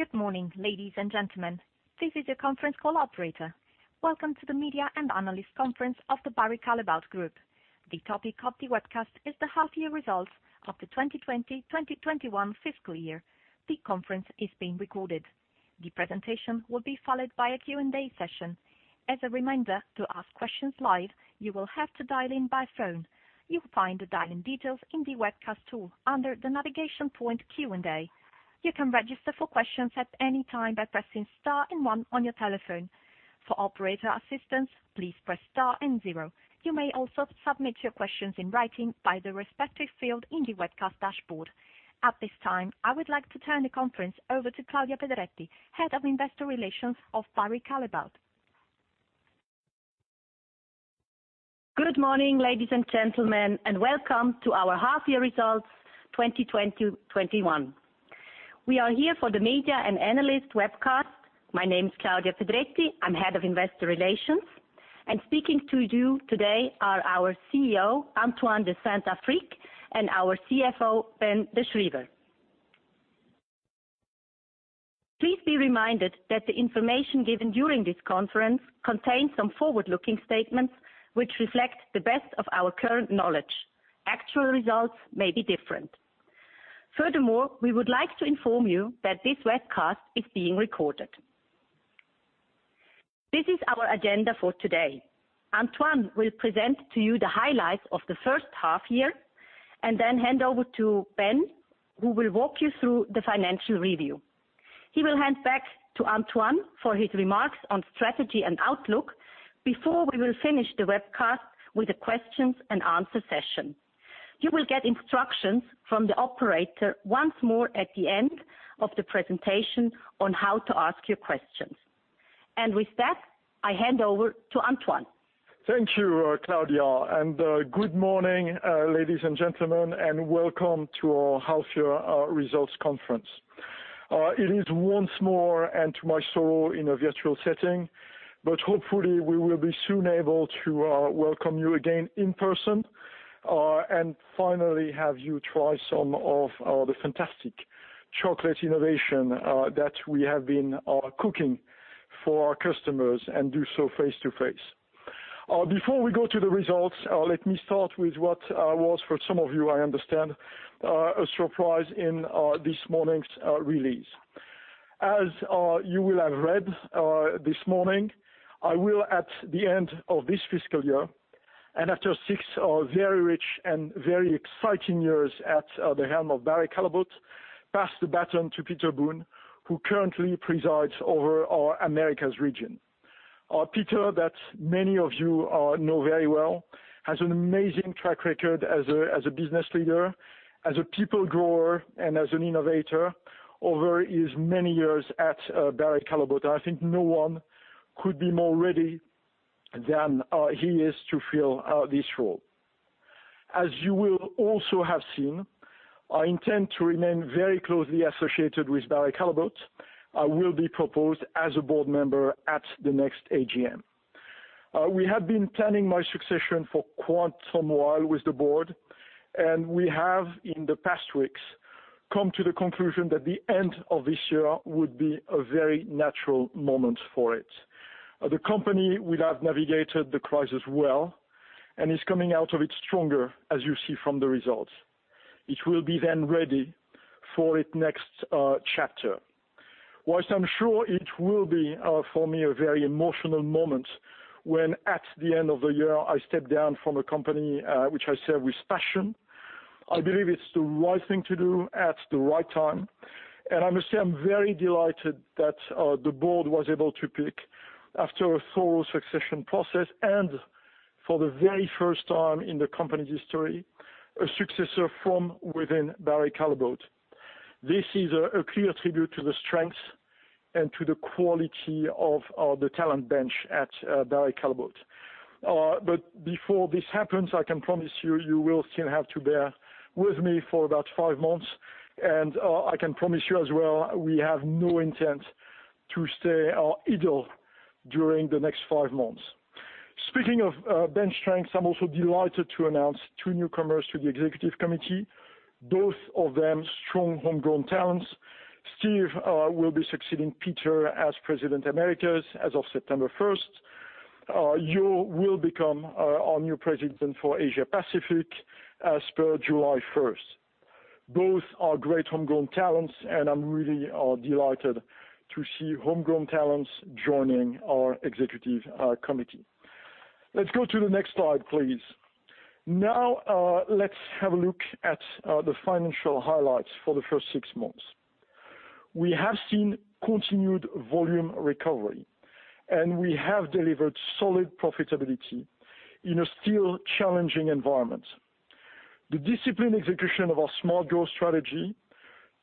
Good morning, ladies and gentlemen. This is your conference call operator. Welcome to the media and analyst conference of the Barry Callebaut Group. The topic of the webcast is the half year results of the 2020-2021 fiscal year. The conference is being recorded. The presentation will be followed by a Q&A session. As a reminder, to ask questions live, you will have to dial in by phone. You'll find the dial-in details in the webcast tool under the navigation point Q&A. You can register for questions at any time by pressing star and one on your telephone. For operator assistance, please press star and zero. You may also submit your questions in writing by the respective field in the webcast dashboard. At this time, I would like to turn the conference over to Claudia Pedretti, Head of Investor Relations of Barry Callebaut. Good morning, ladies and gentlemen, and welcome to our half year results 2020-21. We are here for the media and analyst webcast. My name is Claudia Pedretti. I am head of investor relations, and speaking to you today are our CEO, Antoine de Saint-Affrique, and our CFO, Ben De Schryver. Please be reminded that the information given during this conference contains some forward-looking statements which reflect the best of our current knowledge. Actual results may be different. Furthermore, we would like to inform you that this webcast is being recorded. This is our agenda for today. Antoine will present to you the highlights of the first half year, and then hand over to Ben, who will walk you through the financial review. He will hand back to Antoine for his remarks on strategy and outlook before we will finish the webcast with a questions-and-answer session. You will get instructions from the operator once more at the end of the presentation on how to ask your questions. With that, I hand over to Antoine. Thank you, Claudia, and good morning, ladies and gentlemen, and welcome to our half year results conference. It is once more and to my sorrow in a virtual setting, but hopefully, we will be soon able to welcome you again in person, and finally have you try some of the fantastic chocolate innovation that we have been cooking for our customers and do so face-to-face. Before we go to the results, let me start with what was for some of you, I understand, a surprise in this morning's release. As you will have read this morning, I will at the end of this fiscal year, and after six very rich and very exciting years at the helm of Barry Callebaut, pass the baton to Peter Boone, who currently presides over our Americas region. Peter, that many of you know very well, has an amazing track record as a business leader, as a people grower, and as an innovator over his many years at Barry Callebaut. I think no one could be more ready than he is to fill this role. As you will also have seen, I intend to remain very closely associated with Barry Callebaut. I will be proposed as a board member at the next AGM. We have been planning my succession for quite some while with the board, and we have, in the past weeks, come to the conclusion that the end of this year would be a very natural moment for it. The company will have navigated the crisis well and is coming out of it stronger as you see from the results. It will be then ready for its next chapter. Whilst I'm sure it will be for me a very emotional moment when at the end of the year I step down from a company which I serve with passion, I believe it's the right thing to do at the right time. I must say I'm very delighted that the board was able to pick, after a thorough succession process, and for the very first time in the company's history, a successor from within Barry Callebaut. This is a clear tribute to the strength and to the quality of the talent bench at Barry Callebaut. Before this happens, I can promise you will still have to bear with me for about five months, and I can promise you as well, we have no intent to stay idle during the next five months. Speaking of bench strength, I'm also delighted to announce two newcomers to the executive committee, both of them strong homegrown talents. Steve will be succeeding Peter as President Americas as of September 1st. Jo will become our new President for Asia Pacific as per July 1st. Both are great homegrown talents, and I'm really delighted to see homegrown talents joining our executive committee. Let's go to the next slide, please. Now, let's have a look at the financial highlights for the first six months. We have seen continued volume recovery, and we have delivered solid profitability in a still challenging environment. The disciplined execution of our Smart Growth strategy,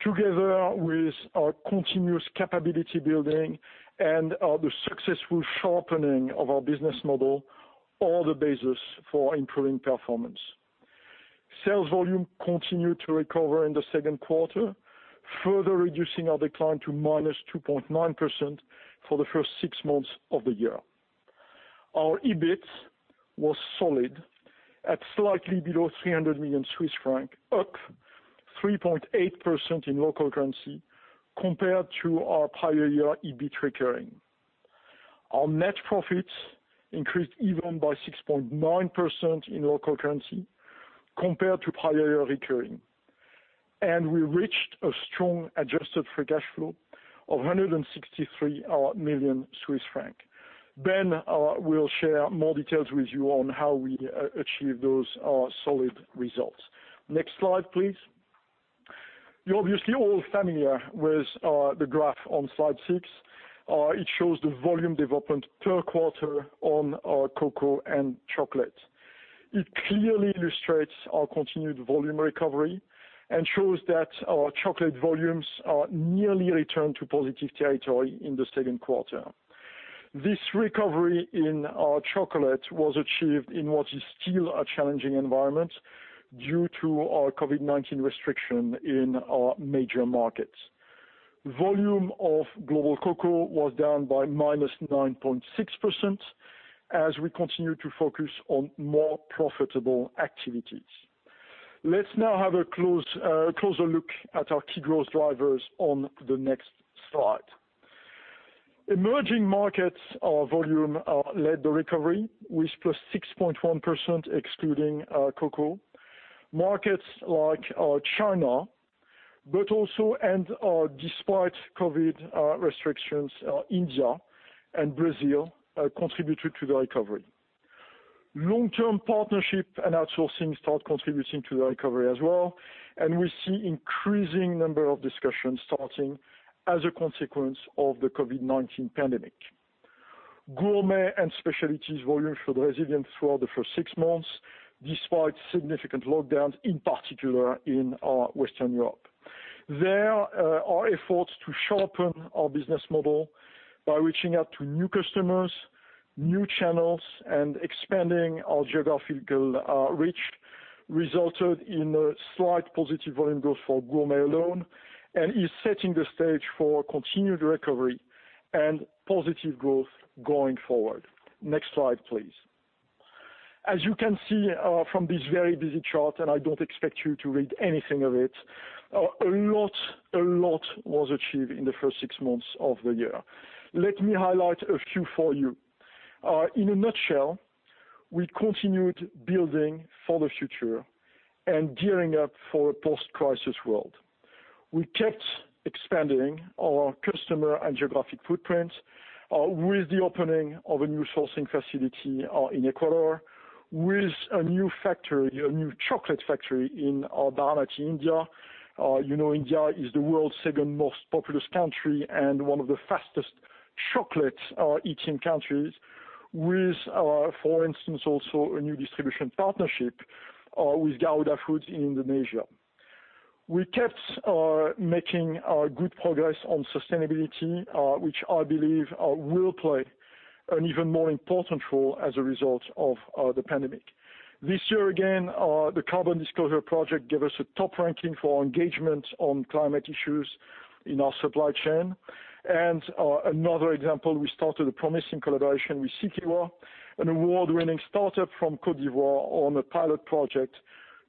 together with our continuous capability building and the successful sharpening of our business model, are the basis for improving performance. Sales volume continued to recover in the second quarter, further reducing our decline to -2.9% for the first six months of the year. Our EBIT was solid at slightly below 300 million Swiss francs, up 3.8% in local currency compared to our prior year EBIT recurring. Our net profits increased even by 6.9% in local currency compared to prior year recurring. We reached a strong adjusted free cash flow of 163 million Swiss francs. Ben will share more details with you on how we achieved those solid results. Next slide, please. You're obviously all familiar with the graph on slide six. It shows the volume development per quarter on our cocoa and chocolate. It clearly illustrates our continued volume recovery and shows that our chocolate volumes are nearly returned to positive territory in the second quarter. This recovery in our chocolate was achieved in what is still a challenging environment due to our COVID-19 restriction in our major markets. Volume of global cocoa was down by -9.6% as we continue to focus on more profitable activities. Let's now have a closer look at our key growth drivers on the next slide. Emerging markets volume led the recovery with +6.1% excluding cocoa. Markets like China, but also, and despite COVID restrictions, India and Brazil contributed to the recovery. Long-term partnership and outsourcing start contributing to the recovery as well, and we see increasing number of discussions starting as a consequence of the COVID-19 pandemic. Gourmet & Specialties volume showed resilience throughout the first six months, despite significant lockdowns, in particular in Western Europe. There, our efforts to sharpen our business model by reaching out to new customers, new channels, and expanding our geographical reach resulted in a slight positive volume growth for Gourmet alone and is setting the stage for continued recovery and positive growth going forward. Next slide, please. As you can see from this very busy chart, and I don't expect you to read anything of it, a lot was achieved in the first six months of the year. Let me highlight a few for you. In a nutshell, we continued building for the future and gearing up for a post-crisis world. We kept expanding our customer and geographic footprint with the opening of a new sourcing facility in Ecuador with a new chocolate factory in Baramati, India. You know India is the world's second most populous country and one of the fastest chocolate eating countries. With, for instance, also a new distribution partnership with Garudafood in Indonesia. We kept making good progress on sustainability, which I believe will play an even more important role as a result of the pandemic. This year again, the Carbon Disclosure Project gave us a top ranking for our engagement on climate issues in our supply chain. Another example, we started a promising collaboration with Sicao, an award-winning startup from Côte d'Ivoire, on a pilot project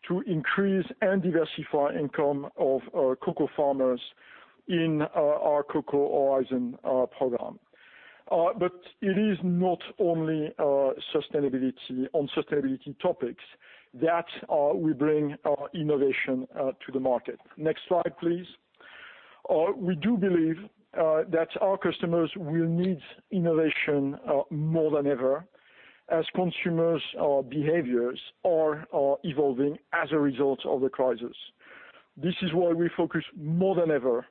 to increase and diversify income of cocoa farmers in our Cocoa Horizons program. It is not only on sustainability topics that we bring innovation to the market. Next slide, please. We do believe that our customers will need innovation more than ever as consumers' behaviors are evolving as a result of the crisis. This is why we focus more than ever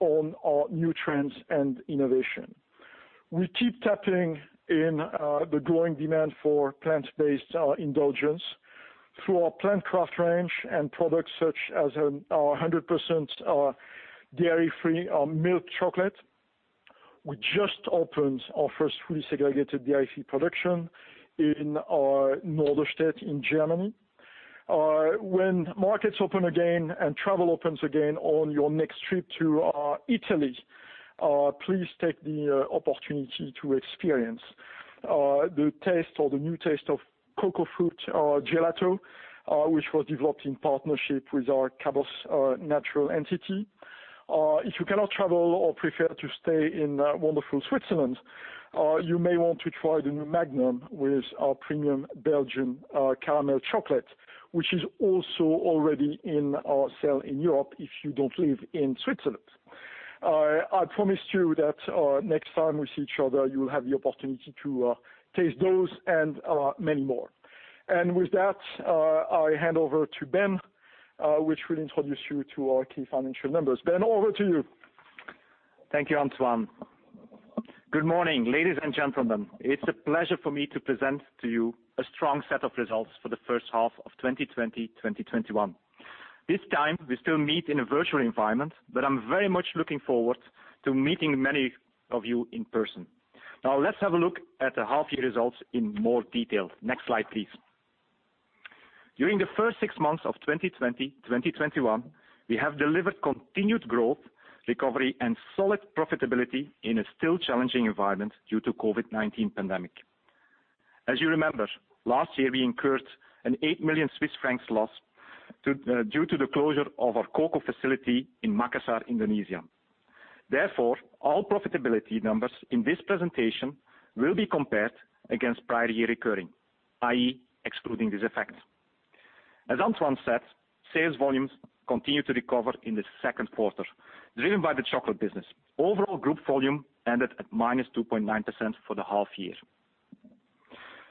on our new trends and innovation. We keep tapping in the growing demand for plant-based indulgence through our Plant Craft range and products such as our 100% dairy-free milk chocolate. We just opened our first fully segregated dairy-free chocolate production in our Norderstedt in Germany. When markets open again and travel opens again on your next trip to Italy, please take the opportunity to experience the taste or the new taste of cacao fruit gelato, which was developed in partnership with our Cabosse Naturals entity. If you cannot travel or prefer to stay in wonderful Switzerland, you may want to try the new Magnum with our premium Belgian Caramel Gold, which is also already in our sale in Europe if you don't live in Switzerland. I promise you that next time we see each other, you will have the opportunity to taste those and many more. With that, I hand over to Ben, who will introduce you to our key financial numbers. Ben, over to you. Thank you, Antoine. Good morning, ladies and gentlemen. It's a pleasure for me to present to you a strong set of results for the first half of 2020/2021. This time, we still meet in a virtual environment, but I'm very much looking forward to meeting many of you in person. Let's have a look at the half year results in more detail. Next slide, please. During the first six months of 2020/2021, we have delivered continued growth, recovery, and solid profitability in a still challenging environment due to COVID-19 pandemic. As you remember, last year, we incurred an eight million CHF loss due to the closure of our cocoa facility in Makassar, Indonesia. All profitability numbers in this presentation will be compared against prior year recurring, i.e., excluding these effects. As Antoine said, sales volumes continue to recover in the second quarter, driven by the chocolate business. Overall group volume ended at -2.9% for the half year.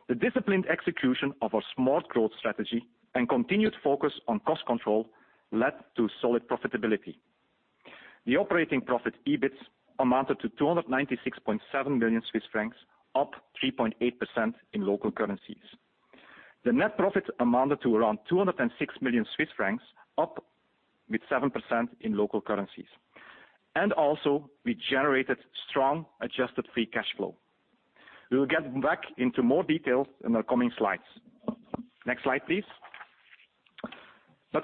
The disciplined execution of our smart growth strategy and continued focus on cost control led to solid profitability. The operating profit EBIT amounted to 296.7 million Swiss francs, up 3.8% in local currencies. The net profit amounted to around 206 million Swiss francs, up with 7% in local currencies. Also, we generated strong adjusted free cash flow. We will get back into more details in the coming slides. Next slide, please.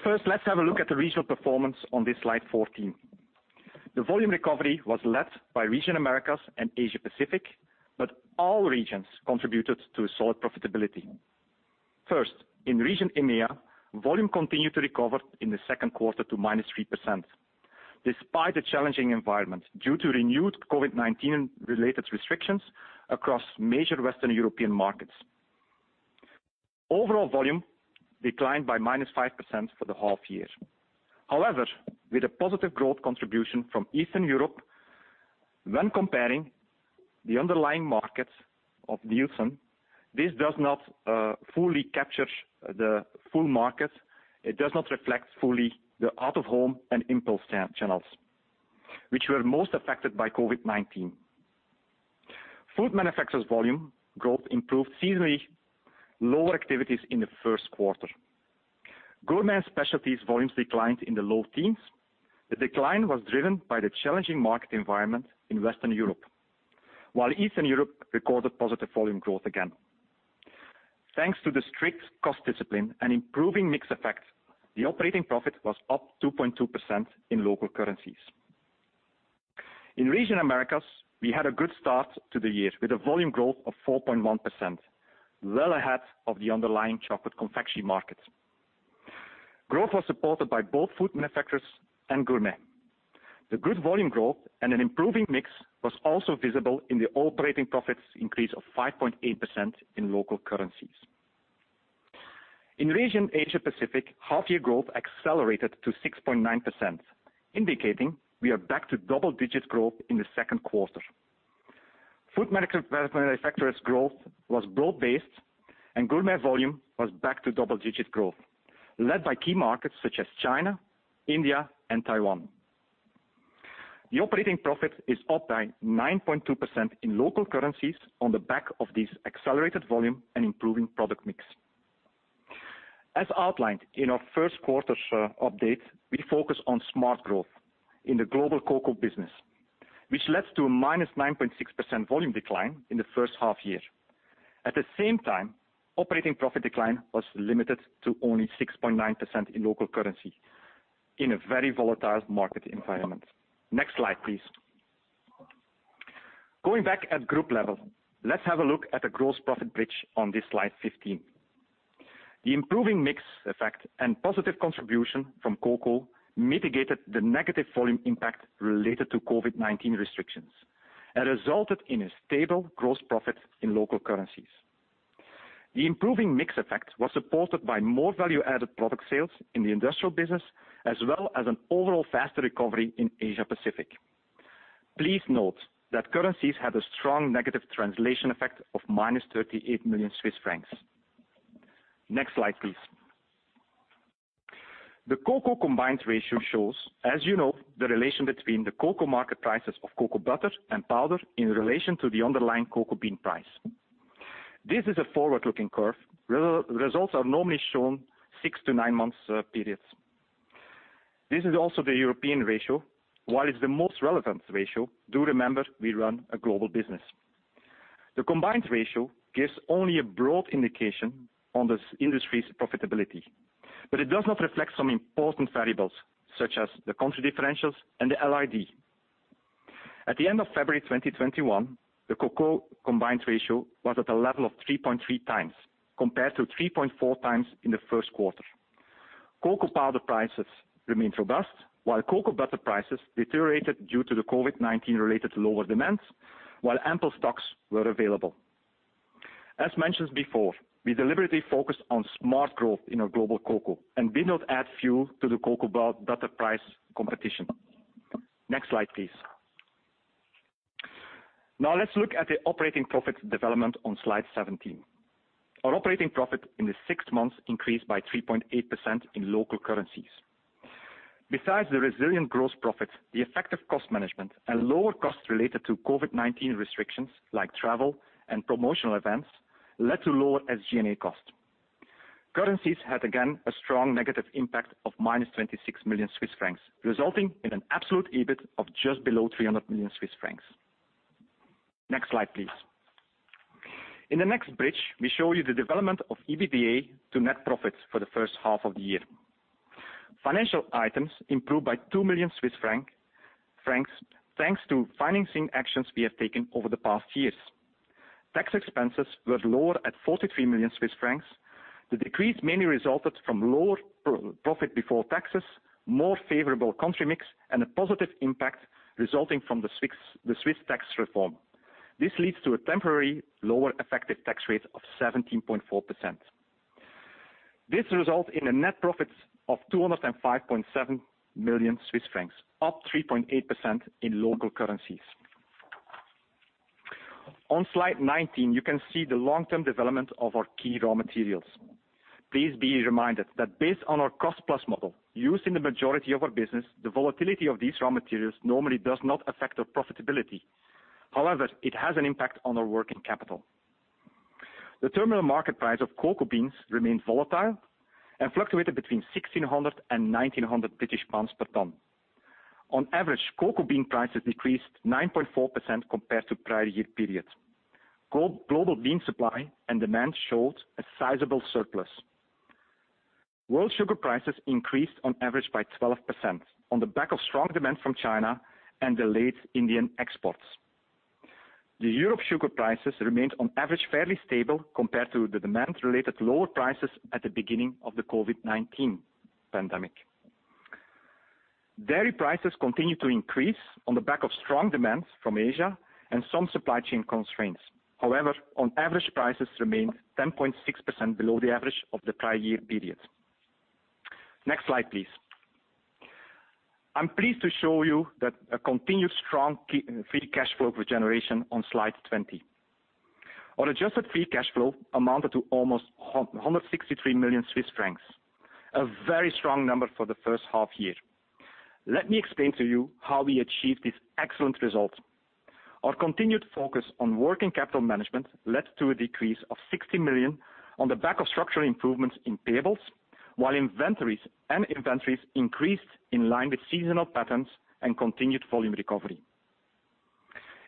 First, let's have a look at the regional performance on this slide 14. The volume recovery was led by region Americas and Asia Pacific, but all regions contributed to solid profitability. First, in region EMEA, volume continued to recover in the second quarter to -3%, despite the challenging environment due to renewed COVID-19 related restrictions across major Western European markets. Overall volume declined by -5% for the half year. With a positive growth contribution from Eastern Europe, when comparing the underlying markets of Nielsen, this does not fully capture the full market. It does not reflect fully the out-of-home and impulse channels, which were most affected by COVID-19. Food Manufacturers volume growth improved seasonally lower activities in the first quarter. Gourmet & Specialties volumes declined in the low teens. The decline was driven by the challenging market environment in Western Europe, while Eastern Europe recorded positive volume growth again. Thanks to the strict cost discipline and improving mix effect, the operating profit was up 2.2% in local currencies. In region Americas, we had a good start to the year with a volume growth of 4.1%, well ahead of the underlying chocolate confectionary market. Growth was supported by both Food Manufacturers and Gourmet. The good volume growth and an improving mix was also visible in the operating profits increase of 5.8% in local currencies. In region Asia Pacific, half year growth accelerated to 6.9%, indicating we are back to double-digit growth in the second quarter. Food Manufacturers growth was broad-based and Gourmet volume was back to double-digit growth, led by key markets such as China, India, and Taiwan. The operating profit is up by 9.2% in local currencies on the back of this accelerated volume and improving product mix. As outlined in our first quarter update, we focus on smart growth in the global cocoa business, which led to a -9.6% volume decline in the first half year. At the same time, operating profit decline was limited to only 6.9% in local currency in a very volatile market environment. Next slide, please. Going back at group level, let's have a look at the gross profit bridge on this slide 15. The improving mix effect and positive contribution from cocoa mitigated the negative volume impact related to COVID-19 restrictions and resulted in a stable gross profit in local currencies. The improving mix effect was supported by more value-added product sales in the industrial business, as well as an overall faster recovery in Asia Pacific. Please note that currencies had a strong negative translation effect of minus 38 million Swiss francs. Next slide, please. The cocoa combined ratio shows, as you know, the relation between the cocoa market prices of cocoa butter and powder in relation to the underlying cocoa bean price. This is a forward-looking curve. Results are normally shown six to nine months periods. This is also the European ratio, while it's the most relevant ratio, do remember we run a global business. The combined ratio gives only a broad indication on this industry's profitability, but it does not reflect some important variables such as the country differentials and the LID. At the end of February 2021, the cocoa combined ratio was at a level of 3.3x compared to 3.4x in the first quarter. Cocoa powder prices remained robust, while cocoa butter prices deteriorated due to the COVID-19 related lower demands, while ample stocks were available. As mentioned before, we deliberately focused on smart growth in our global cocoa and did not add fuel to the cocoa butter price competition. Next slide, please. Now let's look at the operating profit development on slide 17. Our operating profit in the six months increased by 3.8% in local currencies. Besides the resilient gross profit, the effective cost management, and lower costs related to COVID-19 restrictions like travel and promotional events led to lower SG&A costs. Currencies had, again, a strong negative impact of minus 26 million Swiss francs, resulting in an absolute EBIT of just below 300 million Swiss francs. Next slide, please. In the next bridge, we show you the development of EBITDA to net profits for the first half of the year. Financial items improved by 2 million Swiss francs, thanks to financing actions we have taken over the past years. Tax expenses were lower at 43 million Swiss francs. The decrease mainly resulted from lower profit before taxes, more favorable country mix, and a positive impact resulting from the Swiss tax reform. This leads to a temporary lower effective tax rate of 17.4%. This results in a net profit of 205.7 million Swiss francs, up 3.8% in local currencies. On slide 19, you can see the long-term development of our key raw materials. Please be reminded that based on our cost-plus model used in the majority of our business, the volatility of these raw materials normally does not affect our profitability. However, it has an impact on our working capital. The terminal market price of cocoa beans remains volatile and fluctuated between 1,600 British pounds and 1,900 British pounds per ton. On average, cocoa bean prices decreased 9.4% compared to prior year period. Global bean supply and demand showed a sizable surplus. World sugar prices increased on average by 12%, on the back of strong demand from China and delayed Indian exports. The Europe sugar prices remained on average, fairly stable compared to the demand-related lower prices at the beginning of the COVID-19 pandemic. Dairy prices continued to increase on the back of strong demand from Asia and some supply chain constraints. However, on average, prices remained 10.6% below the average of the prior year period. Next slide, please. I'm pleased to show you that a continued strong free cash flow generation on slide 20. Our adjusted free cash flow amounted to almost 163 million Swiss francs, a very strong number for the first half year. Let me explain to you how we achieved this excellent result. Our continued focus on working capital management led to a decrease of 60 million on the back of structural improvements in payables, while inventories increased in line with seasonal patterns and continued volume recovery.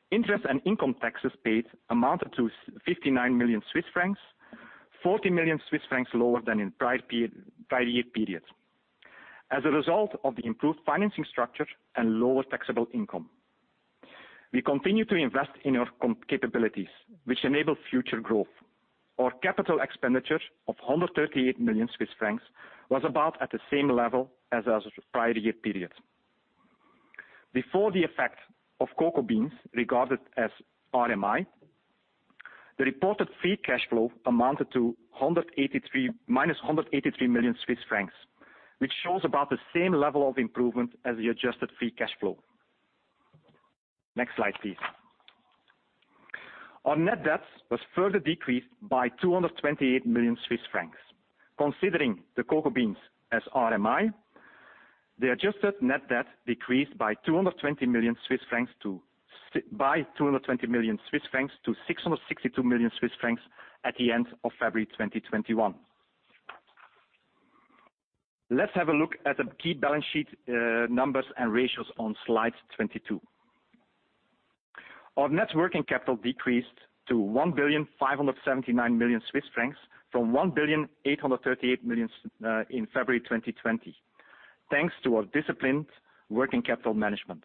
Interest and income taxes paid amounted to 59 million Swiss francs, 40 million Swiss francs lower than in prior year periods, as a result of the improved financing structure and lower taxable income. We continue to invest in our capabilities, which enable future growth. Our capital expenditure of 138 million Swiss francs was about at the same level as our prior year period. Before the effect of cocoa beans regarded as RMI, the reported free cash flow amounted to minus 183 million Swiss francs, which shows about the same level of improvement as the adjusted free cash flow. Next slide, please. Our net debt was further decreased by 228 million Swiss francs. Considering the cocoa beans as RMI, the adjusted net debt decreased by 220 million Swiss francs to 662 million Swiss francs at the end of February 2021. Let's have a look at the key balance sheet numbers and ratios on slide 22. Our net working capital decreased to 1,579,000,000 Swiss francs from 1,838,000,000 in February 2020, thanks to our disciplined working capital management.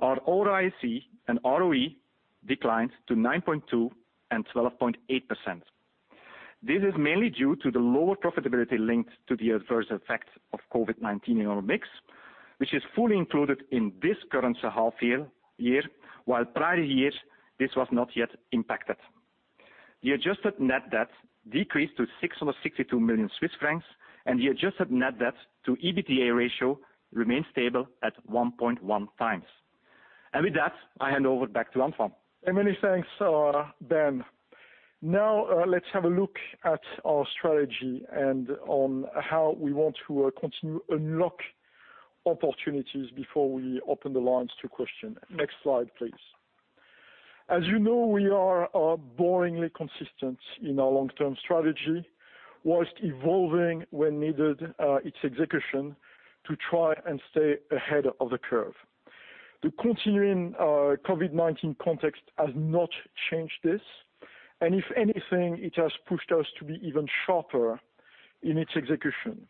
Our ROIC and ROE declined to 9.2% and 12.8%. This is mainly due to the lower profitability linked to the adverse effects of COVID-19 in our mix, which is fully included in this current half year, while prior years, this was not yet impacted. The adjusted net debt decreased to 662 million Swiss francs, and the adjusted net debt to EBITDA ratio remains stable at 1.1x. With that, I hand over back to Antoine. Many thanks, Ben. Let's have a look at our strategy and on how we want to continue to unlock opportunities before we open the lines to question. Next slide, please. As you know, we are boringly consistent in our long-term strategy, while evolving when needed its execution to try and stay ahead of the curve. The continuing COVID-19 context has not changed this. If anything, it has pushed us to be even sharper in its execution.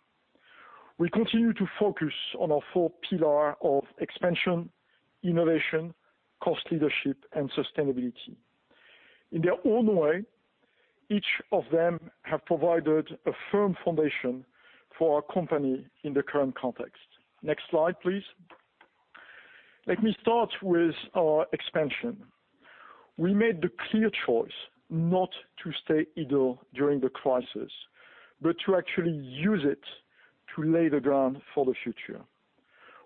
We continue to focus on our four pillars of expansion, innovation, cost leadership, and sustainability. In their own way, each of them has provided a firm foundation for our company in the current context. Next slide, please. Let me start with our expansion. We made the clear choice not to stay idle during the crisis, but to actually use it to lay the ground for the future.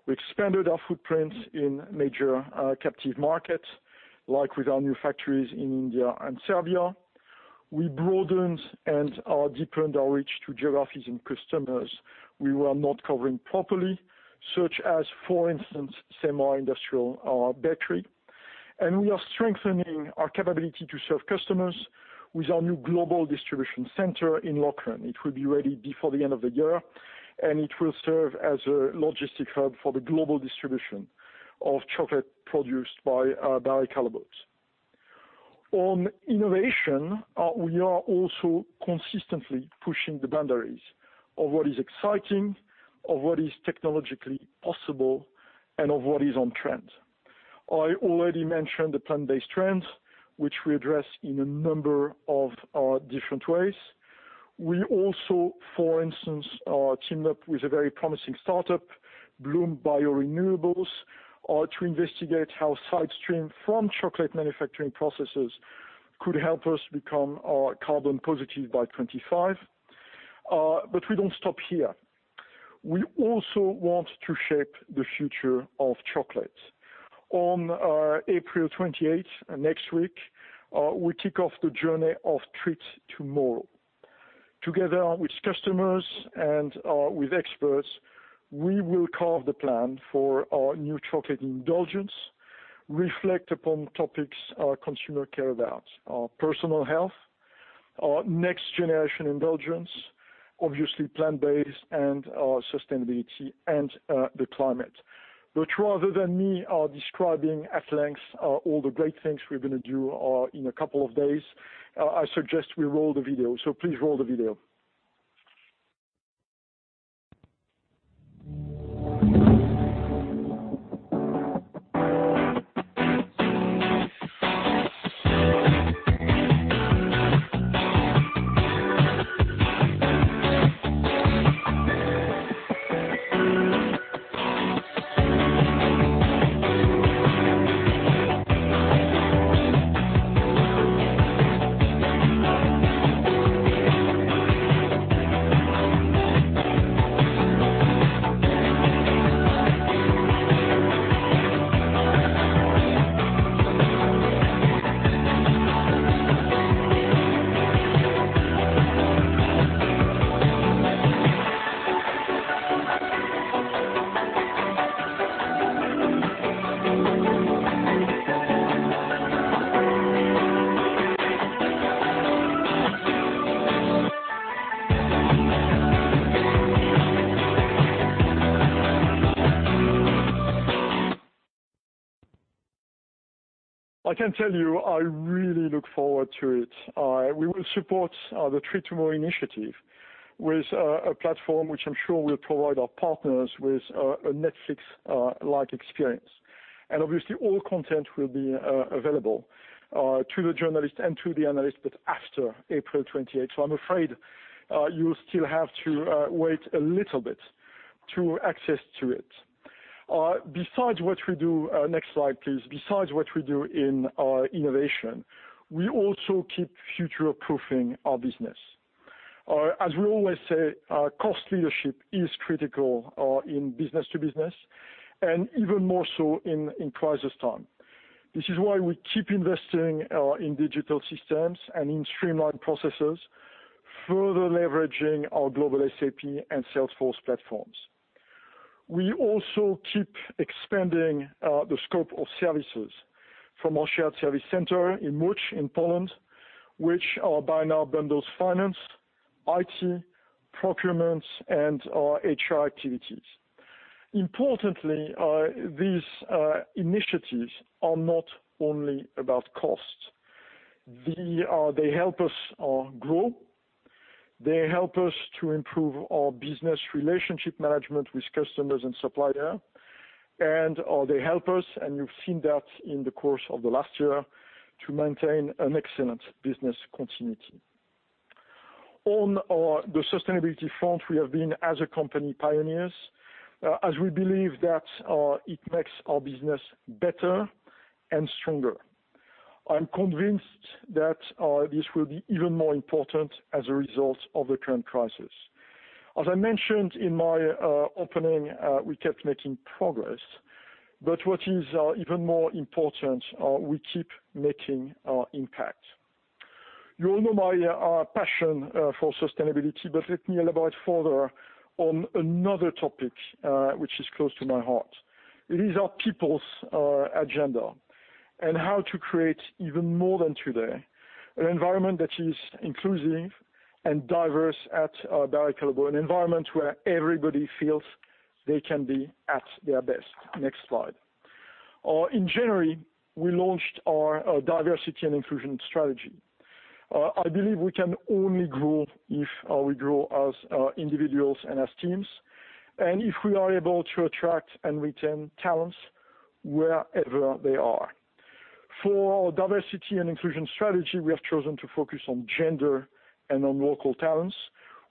We expanded our footprint in major captive markets, like with our new factories in India and Serbia. We broadened and deepened our reach to geographies and customers we were not covering properly, such as, for instance, semi-industrial bakery. We are strengthening our capability to serve customers with our new global distribution center in Lokeren. It will be ready before the end of the year. It will serve as a logistic hub for the global distribution of chocolate produced by Barry Callebaut. On innovation, we are also consistently pushing the boundaries of what is exciting, of what is technologically possible, and of what is on trend. I already mentioned the plant-based trends, which we address in a number of different ways. We also, for instance, teamed up with a very promising startup, Bloom Biorenewables, to investigate how side stream from chocolate manufacturing processes could help us become carbon positive by 2025. We don't stop here. We also want to shape the future of chocolate. On April 28th, next week, we kick off the journey of Treat Tomorrow. Together with customers and with experts, we will carve the plan for our new chocolate indulgence, reflect upon topics our consumer care about, our personal health, our next generation indulgence, obviously plant-based and our sustainability and the climate. Rather than me describing at length all the great things we're going to do in a couple of days, I suggest we roll the video. Please roll the video. I can tell you, I really look forward to it. We will support the Treat Tomorrow initiative with a platform which I'm sure will provide our partners with a Netflix-like experience. Obviously all content will be available to the journalists and to the analysts, but after April 28th. I'm afraid you still have to wait a little bit to access to it. Next slide, please. Besides what we do in our innovation, we also keep future-proofing our business. As we always say, our cost leadership is critical in business to business, and even more so in crisis time. This is why we keep investing in digital systems and in streamlined processes, further leveraging our global SAP and Salesforce platforms. We also keep expanding the scope of services from our shared service center in Lodz in Poland, which by now bundles finance, IT, procurements, and our HR activities. Importantly, these initiatives are not only about cost. They help us grow, they help us to improve our business relationship management with customers and supplier, and they help us, and you've seen that in the course of the last year, to maintain an excellent business continuity. On the sustainability front, we have been, as a company, pioneers, as we believe that it makes our business better and stronger. I'm convinced that this will be even more important as a result of the current crisis. As I mentioned in my opening, we kept making progress. What is even more important, we keep making impact. You all know my passion for sustainability, but let me elaborate further on another topic which is close to my heart. It is our people's agenda and how to create even more than today, an environment that is inclusive and diverse at Barry Callebaut. An environment where everybody feels they can be at their best. Next slide. In January, we launched our diversity and inclusion strategy. I believe we can only grow if we grow as individuals and as teams, and if we are able to attract and retain talents wherever they are. For our diversity and inclusion strategy, we have chosen to focus on gender and on local talents.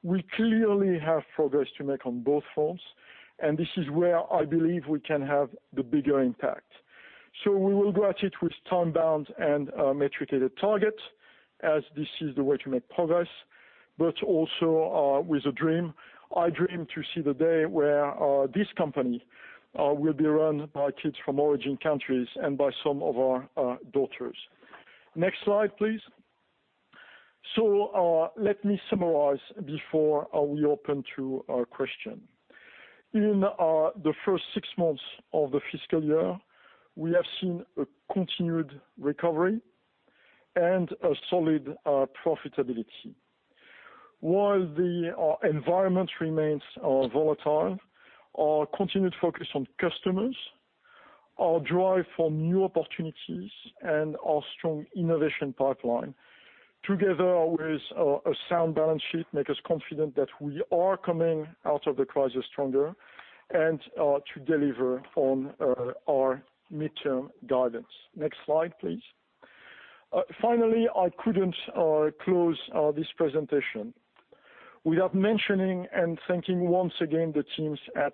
We clearly have progress to make on both fronts. This is where I believe we can have the bigger impact. We will go at it with time-bound and metricated targets as this is the way to make progress, but also with a dream. I dream to see the day where this company will be run by kids from origin countries and by some of our daughters. Next slide, please. Let me summarize before we open to question. In the first six months of the fiscal year, we have seen a continued recovery and a solid profitability. While the environment remains volatile, our continued focus on customers, our drive for new opportunities, and our strong innovation pipeline, together with a sound balance sheet, make us confident that we are coming out of the crisis stronger and to deliver on our midterm guidance. Next slide, please. Finally, I couldn't close this presentation without mentioning and thanking once again the teams at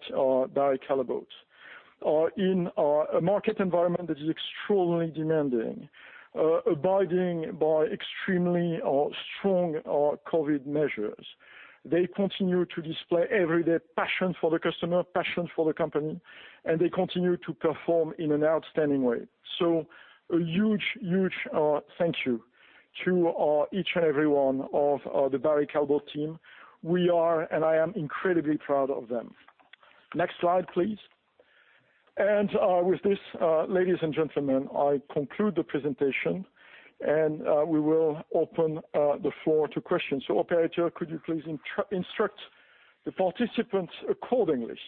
Barry Callebaut. In a market environment that is extraordinarily demanding, abiding by extremely strong COVID measures, they continue to display everyday passion for the customer, passion for the company, and they continue to perform in an outstanding way. A huge thank you to each and every one of the Barry Callebaut team. We are, and I am incredibly proud of them. Next slide, please. With this, ladies and gentlemen, I conclude the presentation and we will open the floor to questions. Operator, could you please instruct the participants accordingly?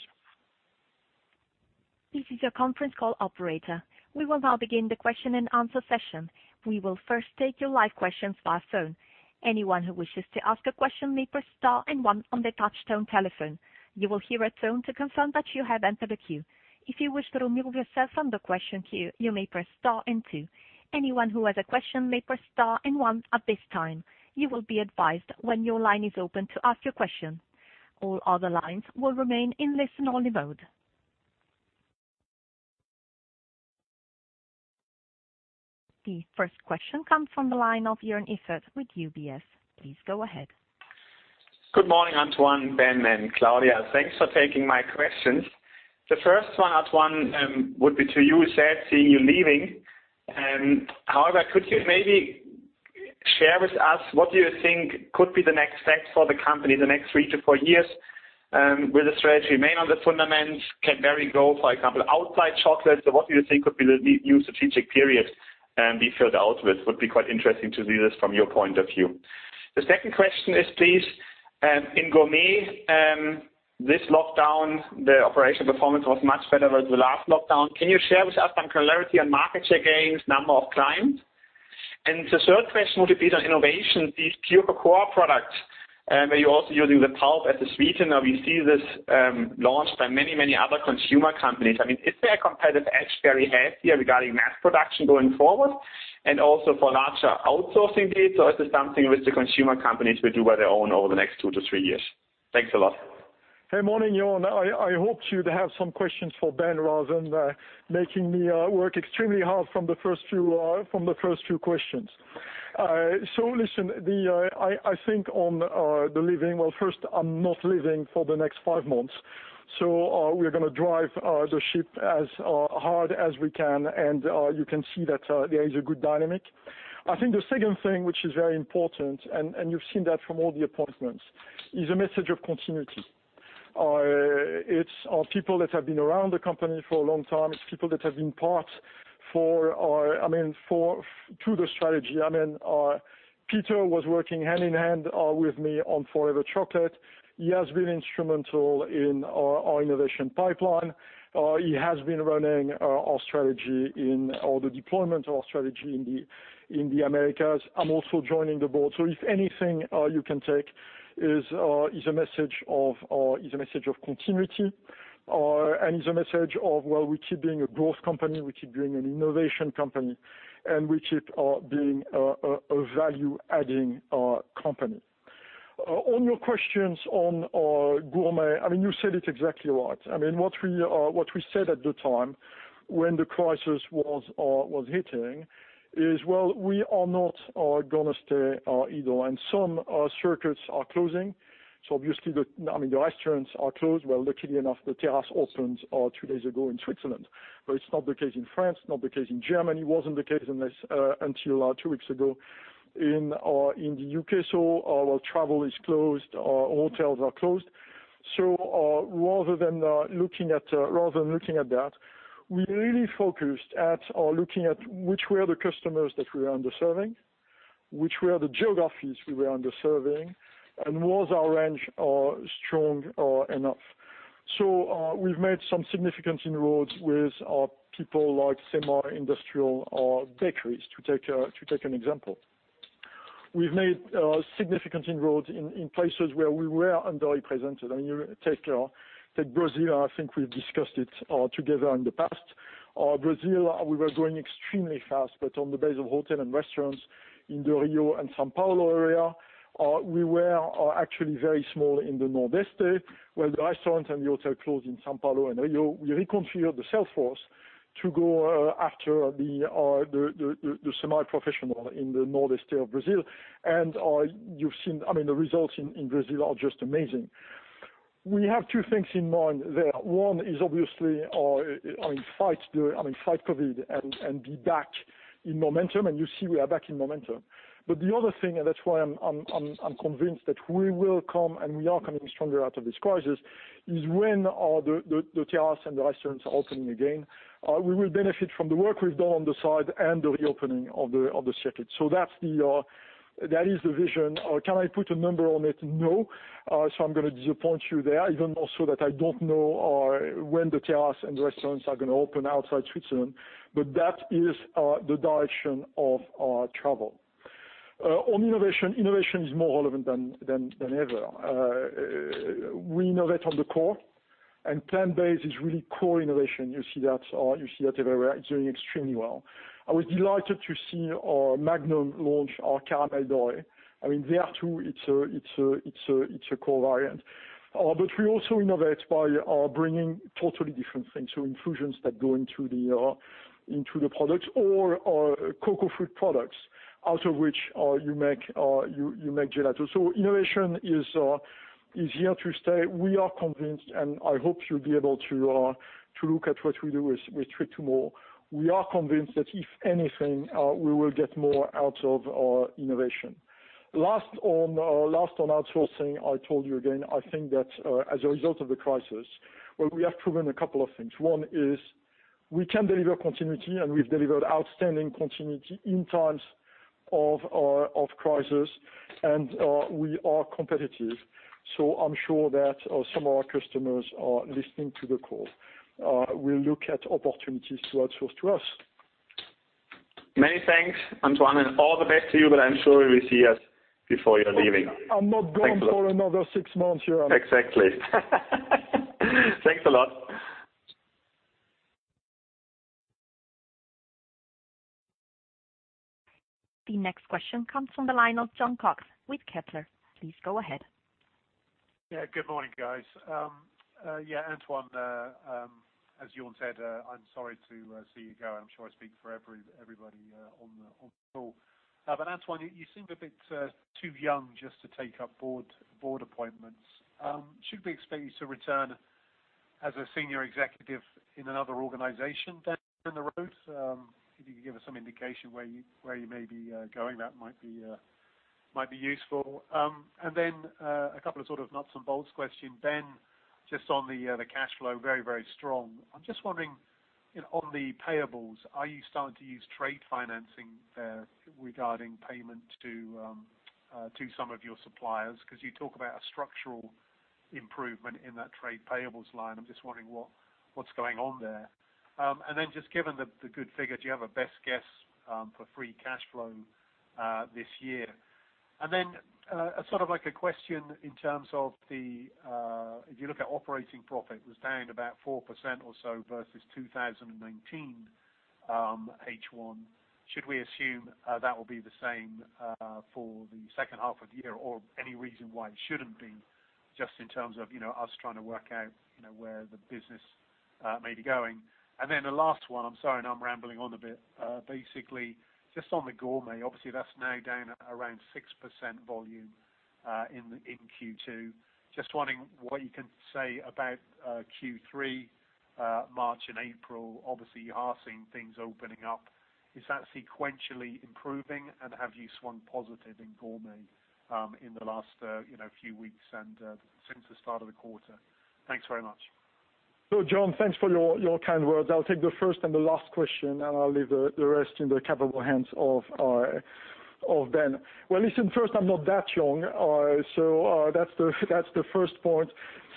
This is your conference call operator. We will now begin the question-and-answer session. We will first take your live questions via phone. Anyone who wishes to ask a question may press star and one on the touchtone telephone. You will hear a tone to confirm that you have entered the queue. If you wish to remove yourself from the question queue, you may press star and two. Anyone who has a question may press star and one at this time. You will be advised when your line is open to ask your question. All other lines will remain in listen only mode. The first question comes from the line of Joern Iffert with UBS. Please go ahead. Good morning, Antoine, Ben, and Claudia. Thanks for taking my questions. The first one, Antoine, would be to you. It is sad seeing you leaving. However, could you maybe share with us what you think could be the next steps for the company in the next three to four years, will the strategy remain on the fundamentals? Can Barry go, for example, outside chocolate? What do you think could be the new strategic period and be filled out with? Would be quite interesting to hear this from your point of view. The second question is, please, in Gourmet, this lockdown, the operational performance was much better than the last lockdown. Can you share with us some clarity on market share gains, number of clients? The third question would be on innovation. These pure cocoa products, are you also using the pulp as a sweetener? We see this launched by many other consumer companies. I mean, is there a competitive edge Barry has here regarding mass production going forward and also for larger outsourcing deals, or is this something which the consumer companies will do by their own over the next two to three years? Thanks a lot. Hey, morning, Joern. I hoped you'd have some questions for Ben rather than making me work extremely hard from the first few questions. Listen, I think on the leaving, well, first, I'm not leaving for the next five months, we're going to drive the ship as hard as we can, you can see that there is a good dynamic. I think the second thing, which is very important, you've seen that from all the appointments, is a message of continuity. It's people that have been around the company for a long time. It's people that have been part to the strategy. I mean, Peter was working hand-in-hand with me on Forever Chocolate. He has been instrumental in our innovation pipeline. He has been running our strategy or the deployment of our strategy in the Americas. I'm also joining the board. If anything you can take is a message of continuity, and is a message of, well, we keep being a growth company, we keep being an innovation company, and we keep being a value-adding company. On your questions on Gourmet, you said it exactly right. What we said at the time when the crisis was hitting is, well, we are not gonna stay idle and some circuits are closing. Obviously, the restaurants are closed. Well, luckily enough, the terrace opened two days ago in Switzerland, but it's not the case in France, not the case in Germany, wasn't the case until two weeks ago in the U.K. Our travel is closed, our hotels are closed. Rather than looking at that, we really focused at looking at which were the customers that we were underserving, which were the geographies we were underserving, and was our range strong enough. We've made some significant inroads with people like semi-industrial bakeries, to take an example. We've made significant inroads in places where we were underrepresented. Take Brazil, I think we've discussed it together in the past. Brazil, we were growing extremely fast, but on the base of hotel and restaurants in the Rio and São Paulo area, we were actually very small in the Northeast, where the restaurants and the hotel closed in São Paulo and Rio. We reconfigured the sales force to go after the semi-professional in the Northeast of Brazil. The results in Brazil are just amazing. We have two things in mind there. One is obviously fight COVID-19 and be back in momentum. You see we are back in momentum. The other thing, that's why I'm convinced that we will come, and we are coming stronger out of this crisis, is when the terrace and the restaurants are opening again, we will benefit from the work we've done on the side and the reopening of the circuit. That is the vision. Can I put a number on it? No. I'm going to disappoint you there, even also that I don't know when the terrace and restaurants are going to open outside Switzerland. That is the direction of our travel. On innovation is more relevant than ever. We innovate on the core. Plant Craft is really core innovation. You see that everywhere. It's doing extremely well. I was delighted to see our Magnum launch our caramel gold. There too, it's a core variant. We also innovate by bringing totally different things. Infusions that go into the products or our cacao fruit products, out of which you make gelato. Innovation is here to stay. We are convinced, and I hope you'll be able to look at what we do with Treat Tomorrow. We are convinced that if anything, we will get more out of our innovation. Last on outsourcing, I told you again, I think that as a result of the crisis, well, we have proven a couple of things. One is we can deliver continuity, and we've delivered outstanding continuity in times of crisis, and we are competitive. I'm sure that some of our customers are listening to the call will look at opportunities to outsource to us. Many thanks, Antoine, and all the best to you. I'm sure we will see us before you're leaving. I'm not gone for another six months here. Exactly. Thanks a lot. The next question comes from the line of Jon Cox with Kepler. Please go ahead. Good morning, guys. Antoine, as Joern said, I'm sorry to see you go. I'm sure I speak for everybody on the call. Antoine, you seem a bit too young just to take up board appointments. Should we expect you to return as a senior executive in another organization down the road? If you could give us some indication where you may be going, that might be useful. A couple of sort of nuts and bolts question, Ben, just on the cash flow, very, very strong. I'm just wondering on the payables, are you starting to use trade financing regarding payment to some of your suppliers? You talk about a structural improvement in that trade payables line. I'm just wondering what's going on there. Just given the good figure, do you have a best guess for free cash flow this year? Sort of like a question in terms of the, if you look at operating profit was down about 4% or so versus 2019 H1. Should we assume that will be the same for the second half of the year or any reason why it shouldn't be just in terms of us trying to work out where the business may be going? The last one, I'm sorry, and I'm rambling on a bit, basically just on the Gourmet, obviously that's now down around 6% volume in Q2. Just wondering what you can say about Q3, March and April. Obviously, you are seeing things opening up. Is that sequentially improving and have you swung positive in Gourmet in the last few weeks and since the start of the quarter? Thanks very much. Jon, thanks for your kind words. I'll take the first and the last question, and I'll leave the rest in the capable hands of Ben. Well, listen, first, I'm not that young. That's the first point.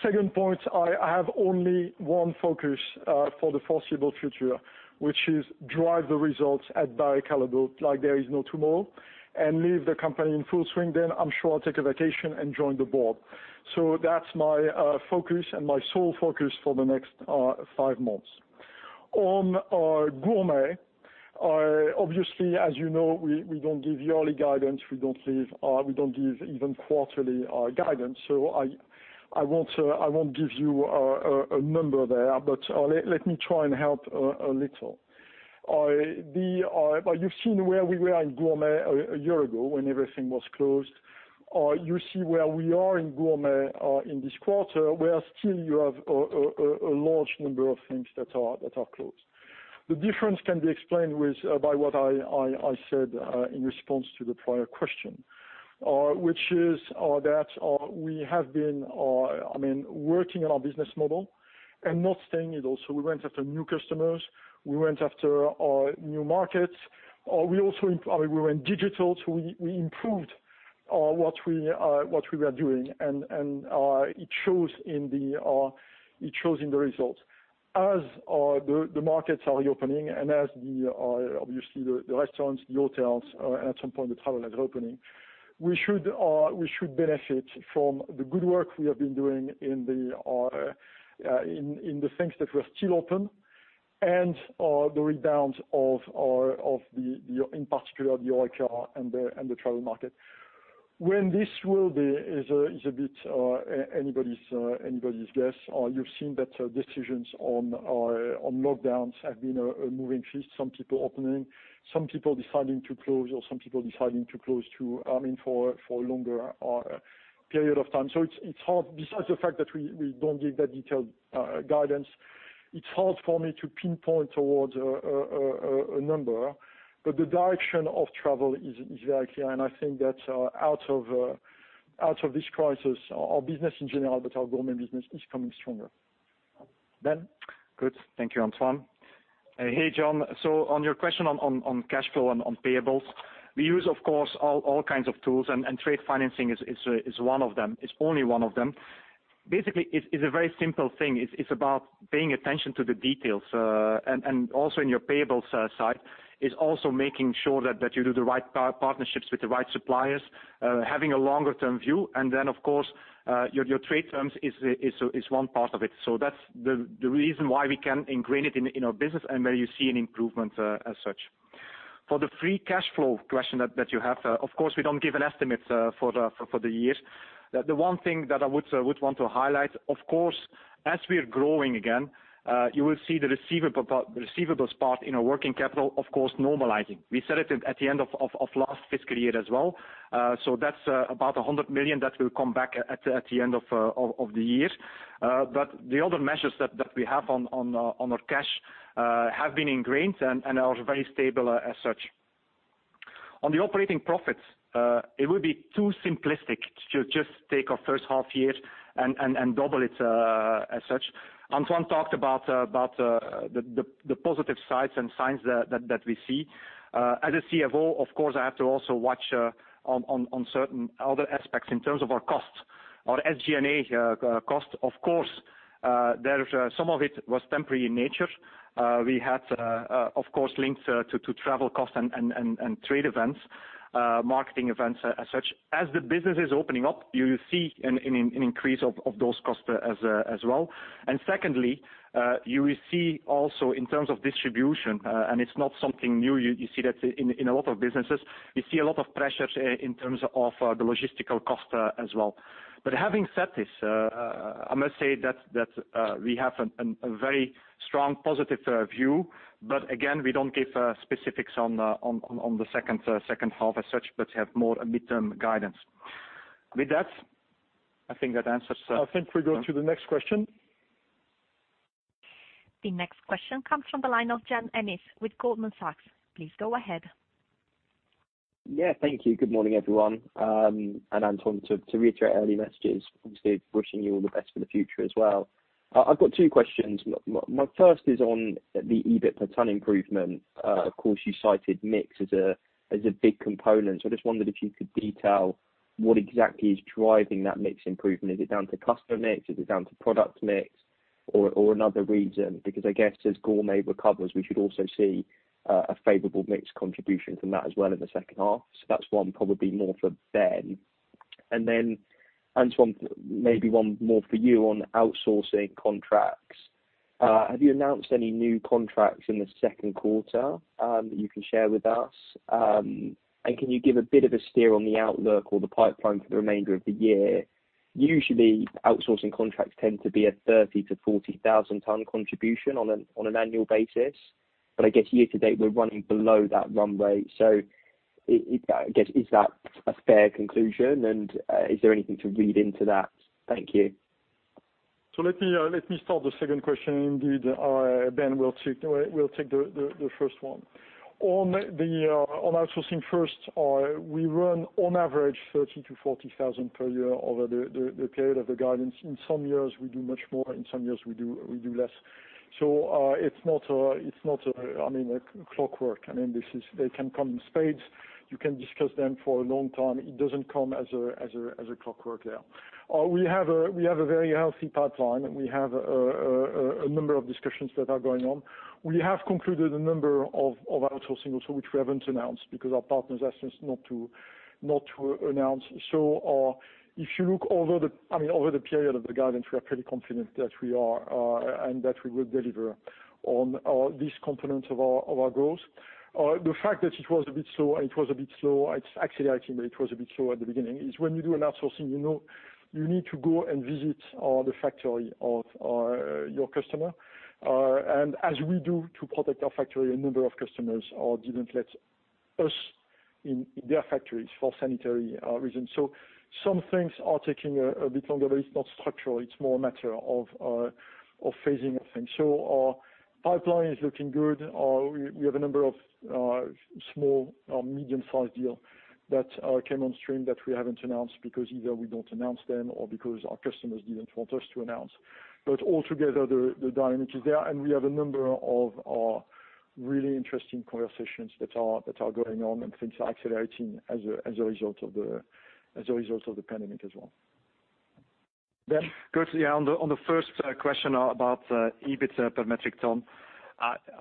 Second point, I have only one focus for the foreseeable future, which is drive the results at Barry Callebaut like there is no tomorrow and leave the company in full swing, then I'm sure I'll take a vacation and join the board. That's my focus and my sole focus for the next five months. On Gourmet, obviously, as you know, we don't give yearly guidance. We don't give even quarterly guidance, so I won't give you a number there, but let me try and help a little. You've seen where we were in Gourmet a year ago when everything was closed. You see where we are in Gourmet in this quarter, where still you have a large number of things that are closed. The difference can be explained by what I said in response to the prior question, which is that we have been working on our business model and not staying idle. We went after new customers, we went after new markets. We went digital, we improved what we were doing, and it shows in the results. As the markets are reopening and as obviously the restaurants, the hotels, and at some point the travel is reopening, we should benefit from the good work we have been doing in the things that were still open and the rebound in particular of the HoReCa and the travel market. When this will be is a bit anybody's guess. You've seen that decisions on lockdowns have been a moving feast. Some people opening, some people deciding to close or some people deciding to close for a longer period of time. It's hard, besides the fact that we don't give that detailed guidance. It's hard for me to pinpoint towards a number, but the direction of travel is very clear, and I think that out of this crisis, our business in general, but our Gourmet business is coming stronger. Ben? Good. Thank you, Antoine. Hey, Jon. On your question on cash flow and on payables, we use, of course, all kinds of tools, and trade financing is one of them. It's only one of them. Basically, it's a very simple thing. It's about paying attention to the details. Also in your payables side, is also making sure that you do the right partnerships with the right suppliers, having a longer-term view, and then, of course, your trade terms is one part of it. That's the reason why we can ingrain it in our business, and where you see an improvement as such. For the free cash flow question that you have, of course, we don't give an estimate for the year. The one thing that I would want to highlight, of course, as we're growing again, you will see the receivables part in our working capital, of course, normalizing. We said it at the end of last fiscal year as well. That's about 100 million that will come back at the end of the year. The other measures that we have on our cash have been ingrained and are very stable as such. On the operating profits, it would be too simplistic to just take our first half-year and double it as such. Antoine talked about the positive sides and signs that we see. As a CFO, of course, I have to also watch on certain other aspects in terms of our costs, our SG&A costs, of course, some of it was temporary in nature. We had, of course, links to travel cost and trade events, marketing events as such. As the business is opening up, you will see an increase of those costs as well. Secondly, you will see also in terms of distribution, and it's not something new, you see that in a lot of businesses, we see a lot of pressures in terms of the logistical cost as well. Having said this, I must say that we have a very strong, positive view. Again, we don't give specifics on the second half as such, but have more a midterm guidance. With that, I think that answers- I think we go to the next question. The next question comes from the line of Jan Hatzius with Goldman Sachs. Please go ahead. Yeah, thank you. Good morning, everyone. Antoine, to reiterate early messages, obviously wishing you all the best for the future as well. I've got two questions. My first is on the EBIT per ton improvement. Of course, you cited mix as a big component. I just wondered if you could detail what exactly is driving that mix improvement. Is it down to customer mix, is it down to product mix or another reason? I guess as Gourmet recovers, we should also see a favorable mix contribution from that as well in the second half. That's one probably more for Ben. Then Antoine, maybe one more for you on outsourcing contracts. Have you announced any new contracts in the second quarter that you can share with us? Can you give a bit of a steer on the outlook or the pipeline for the remainder of the year? Usually, outsourcing contracts tend to be a 30,000-40,000 ton contribution on an annual basis. I guess year to date, we're running below that run rate. I guess, is that a fair conclusion, and is there anything to read into that? Thank you. Let me start the second question, indeed, Jan. Ben will take the first one. On outsourcing first, we run on average 30,000 - 40,000 per year over the period of the guidance. In some years, we do much more, in some years we do less. It's not a clockwork. They can come in spades. You can discuss them for a long time. It doesn't come as a clockwork there. We have a very healthy pipeline, and we have a number of discussions that are going on. We have concluded a number of outsourcing also, which we haven't announced because our partners asked us not to announce. If you look over the period of the guidance, we are pretty confident that we are and that we will deliver on this component of our goals. The fact that it was a bit slow, and it was a bit slow, it's accelerating, but it was a bit slow at the beginning, is when you do an outsourcing, you know you need to go and visit the factory of your customer. As we do to protect our factory, a number of customers didn't let us in their factories for sanitary reasons. Some things are taking a bit longer, but it's not structural, it's more a matter of phasing of things. Our pipeline is looking good. We have a number of small, medium-sized deal that came on stream that we haven't announced because either we don't announce them or because our customers didn't want us to announce. Altogether, the dynamic is there, and we have a number of really interesting conversations that are going on, and things are accelerating as a result of the pandemic as well. Ben? Good. Yeah, on the first question about EBIT per metric ton.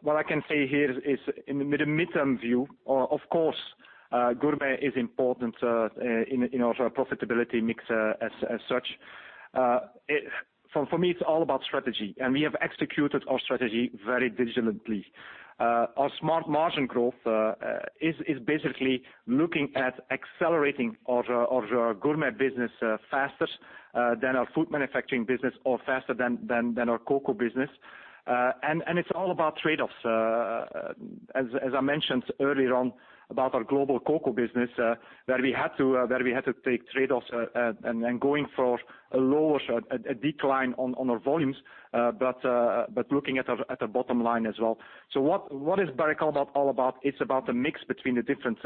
What I can say here is in the midterm view, of course, Gourmet & Specialties is important in our profitability mix as such. For me, it's all about strategy, and we have executed our strategy very diligently. Our smart margin growth is basically looking at accelerating our Gourmet & Specialties business faster than our Food Manufacturers business or faster than our cocoa business. It's all about trade-offs. As I mentioned earlier on about our global cocoa business, that we had to take trade-offs and going for a decline on our volumes, but looking at the bottom line as well. What is Barry Callebaut all about? It's about the mix between the different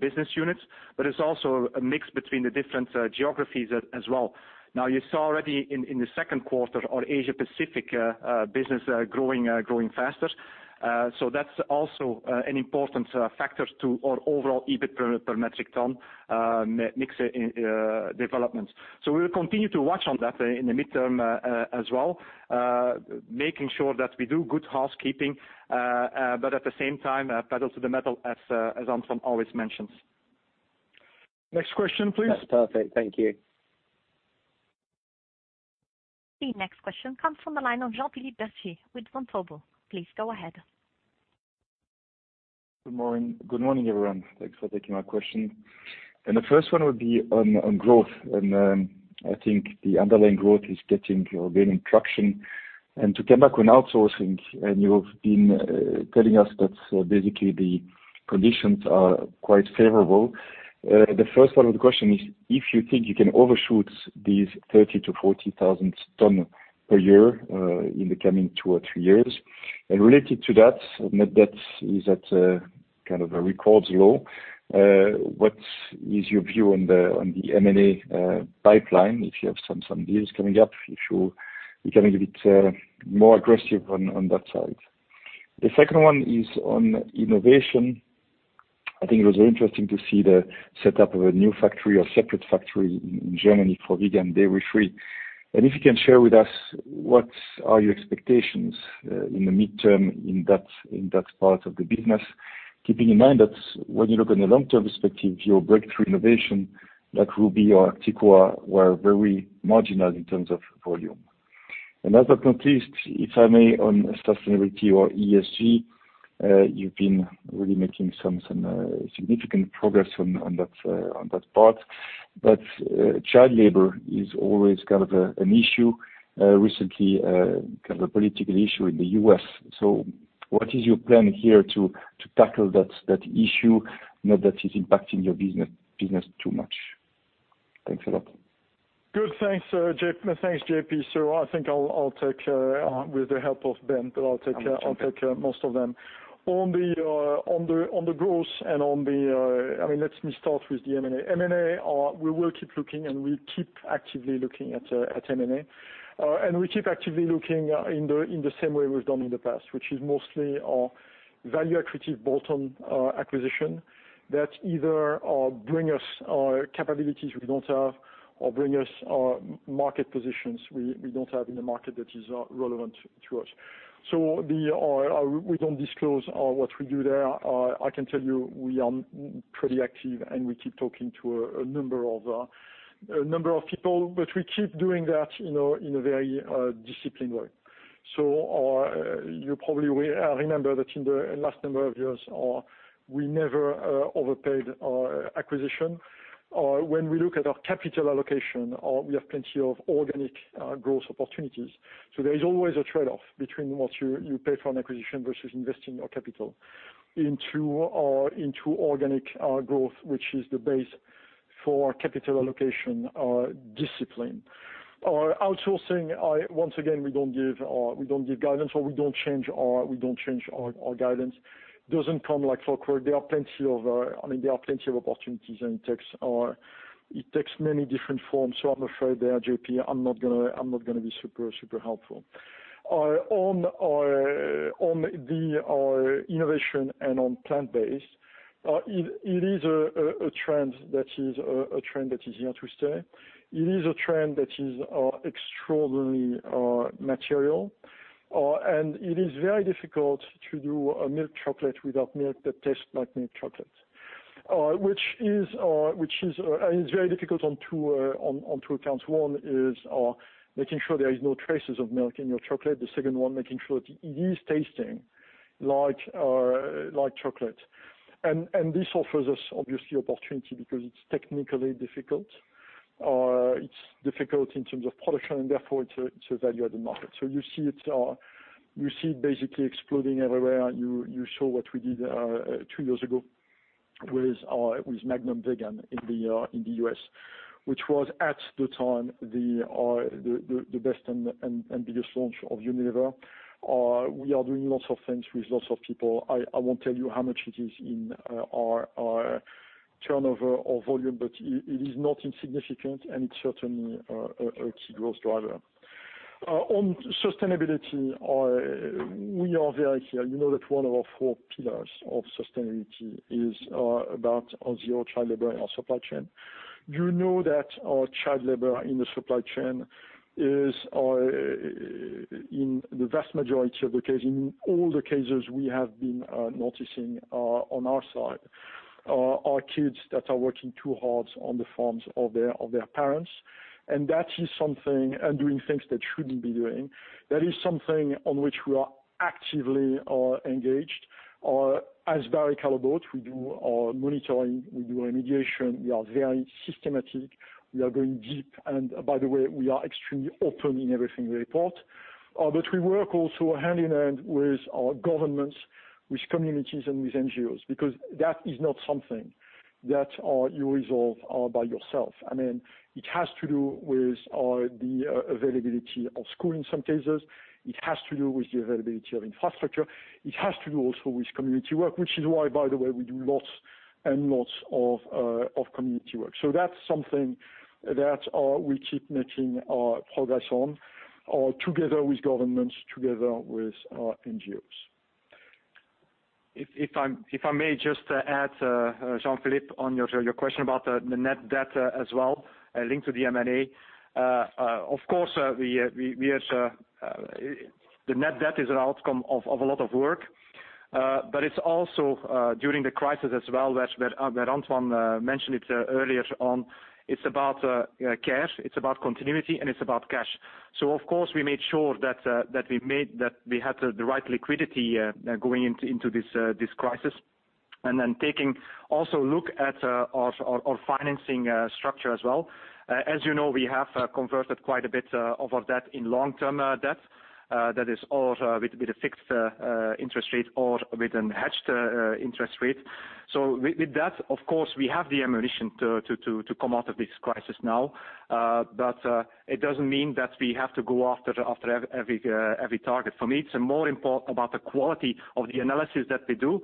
business units, but it's also a mix between the different geographies as well. Now, you saw already in the second quarter, our Asia Pacific business growing faster. That's also an important factor to our overall EBIT per metric ton mix development. We'll continue to watch on that in the midterm as well, making sure that we do good housekeeping, but at the same time, pedal to the metal as Antoine always mentions. Next question, please. That's perfect. Thank you. The next question comes from the line of Jean-Philippe Bertschy with Vontobel. Please go ahead. Good morning, everyone. Thanks for taking my question. The first one would be on growth, and I think the underlying growth is gaining traction. To come back on outsourcing, and you've been telling us that basically the conditions are quite favorable. The first part of the question is if you think you can overshoot these 30,000-40,000 ton per year in the coming two or three years. Related to that, net debt is at kind of a record low. What is your view on the M&A pipeline? If you have some deals coming up, if you can be a bit more aggressive on that side. The second one is on innovation. I think it was very interesting to see the setup of a new factory or separate factory in Germany for vegan dairy free. If you can share with us what are your expectations in the midterm in that part of the business, keeping in mind that when you look in the long-term perspective, your breakthrough innovation, that Ruby or Acticoa were very marginal in terms of volume. Last but not least, if I may, on sustainability or ESG, you've been really making some significant progress on that part. Child labor is always kind of an issue, recently, kind of a political issue in the U.S. What is your plan here to tackle that issue now that it's impacting your business too much? Thanks a lot. Good. Thanks, JP. I think with the help of Ben, but I'll take most of them. Let me start with the M&A. M&A, we will keep looking, and we'll keep actively looking at M&A. We keep actively looking in the same way we've done in the past, which is mostly value accretive bolt-on acquisition that either bring us capabilities we don't have or bring us market positions we don't have in a market that is relevant to us. We don't disclose what we do there. I can tell you we are pretty active, and we keep talking to a number of people, but we keep doing that in a very disciplined way. You probably will remember that in the last number of years, we never overpaid acquisition. When we look at our capital allocation, we have plenty of organic growth opportunities. There is always a trade-off between what you pay for an acquisition versus investing your capital into organic growth, which is the base for capital allocation discipline. Outsourcing, once again, we don't give guidance or we don't change our guidance. Doesn't come like folklore. There are plenty of opportunities, and it takes many different forms. I'm afraid there, JP, I'm not going to be super helpful. On the innovation and on plant-based, it is a trend that is here to stay. It is a trend that is extraordinarily material, and it is very difficult to do a milk chocolate without milk that tastes like milk chocolate. It's very difficult on two accounts. One is making sure there is no traces of milk in your chocolate. The second one, making sure that it is tasting like chocolate. This offers us, obviously, opportunity because it is technically difficult. It is difficult in terms of production, and therefore it is a value-added market. You see it basically exploding everywhere. You saw what we did two years ago with Magnum Vegan in the U.S., which was, at the time, the best and biggest launch of Unilever. We are doing lots of things with lots of people. I won't tell you how much it is in our turnover or volume, but it is not insignificant, and it is certainly a key growth driver. On sustainability, we are very clear. You know that one of our four pillars of sustainability is about zero child labor in our supply chain. You know that child labor in the supply chain is, in the vast majority of the case, in all the cases we have been noticing on our side, are kids that are working too hard on the farms of their parents and doing things they shouldn't be doing. That is something on which we are actively engaged. As Barry Callebaut, we do our monitoring, we do remediation, we are very systematic, we are going deep, and by the way, we are extremely open in everything we report. We work also hand-in-hand with our governments, with communities, and with NGOs, because that is not something that you resolve by yourself. It has to do with the availability of school in some cases. It has to do with the availability of infrastructure. It has to do also with community work, which is why, by the way, we do lots and lots of community work. That's something that we keep making progress on, together with governments, together with NGOs. If I may just add, Jean-Philippe, on your question about the net debt as well, linked to the M&A. The net debt is an outcome of a lot of work. It is also during the crisis as well, where Antoine mentioned it earlier on, it is about care, it is about continuity, and it is about cash. We made sure that we had the right liquidity going into this crisis. Taking also a look at our financing structure as well. As you know, we have converted quite a bit of our debt in long-term debt. That is, with a fixed interest rate or with a hedged interest rate. With that, of course, we have the ammunition to come out of this crisis now. It does not mean that we have to go after every target. For me, it's more important about the quality of the analysis that we do.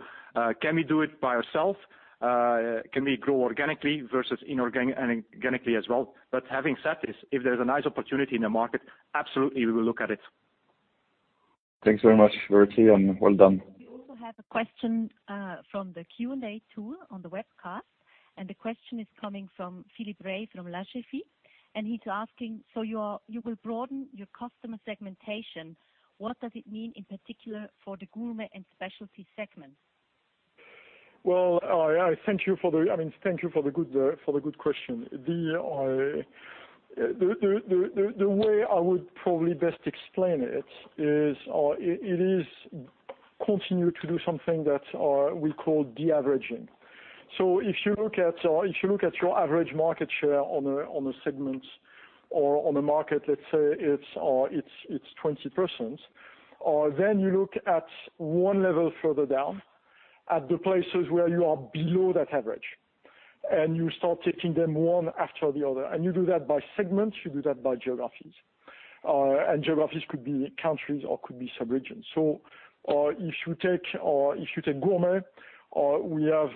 Can we do it by ourselves? Can we grow organically versus inorganically as well? Having said this, if there's a nice opportunity in the market, absolutely we will look at it. Thanks very much, Bertie, and well done. We also have a question from the Q&A tool on the webcast, the question is coming from Philippe Rey from La Chaise. He's asking, "You will broaden your customer segmentation. What does it mean in particular for the Gourmet & Specialties segments? Well, thank you for the good question. The way I would probably best explain it is, it is continue to do something that we call de-averaging. If you look at your average market share on a segment or on a market, let's say it's 20%, then you look at one level further down at the places where you are below that average. You start taking them one after the other, and you do that by segment, you do that by geographies. Geographies could be countries or could be subregions. If you take Gourmet, we have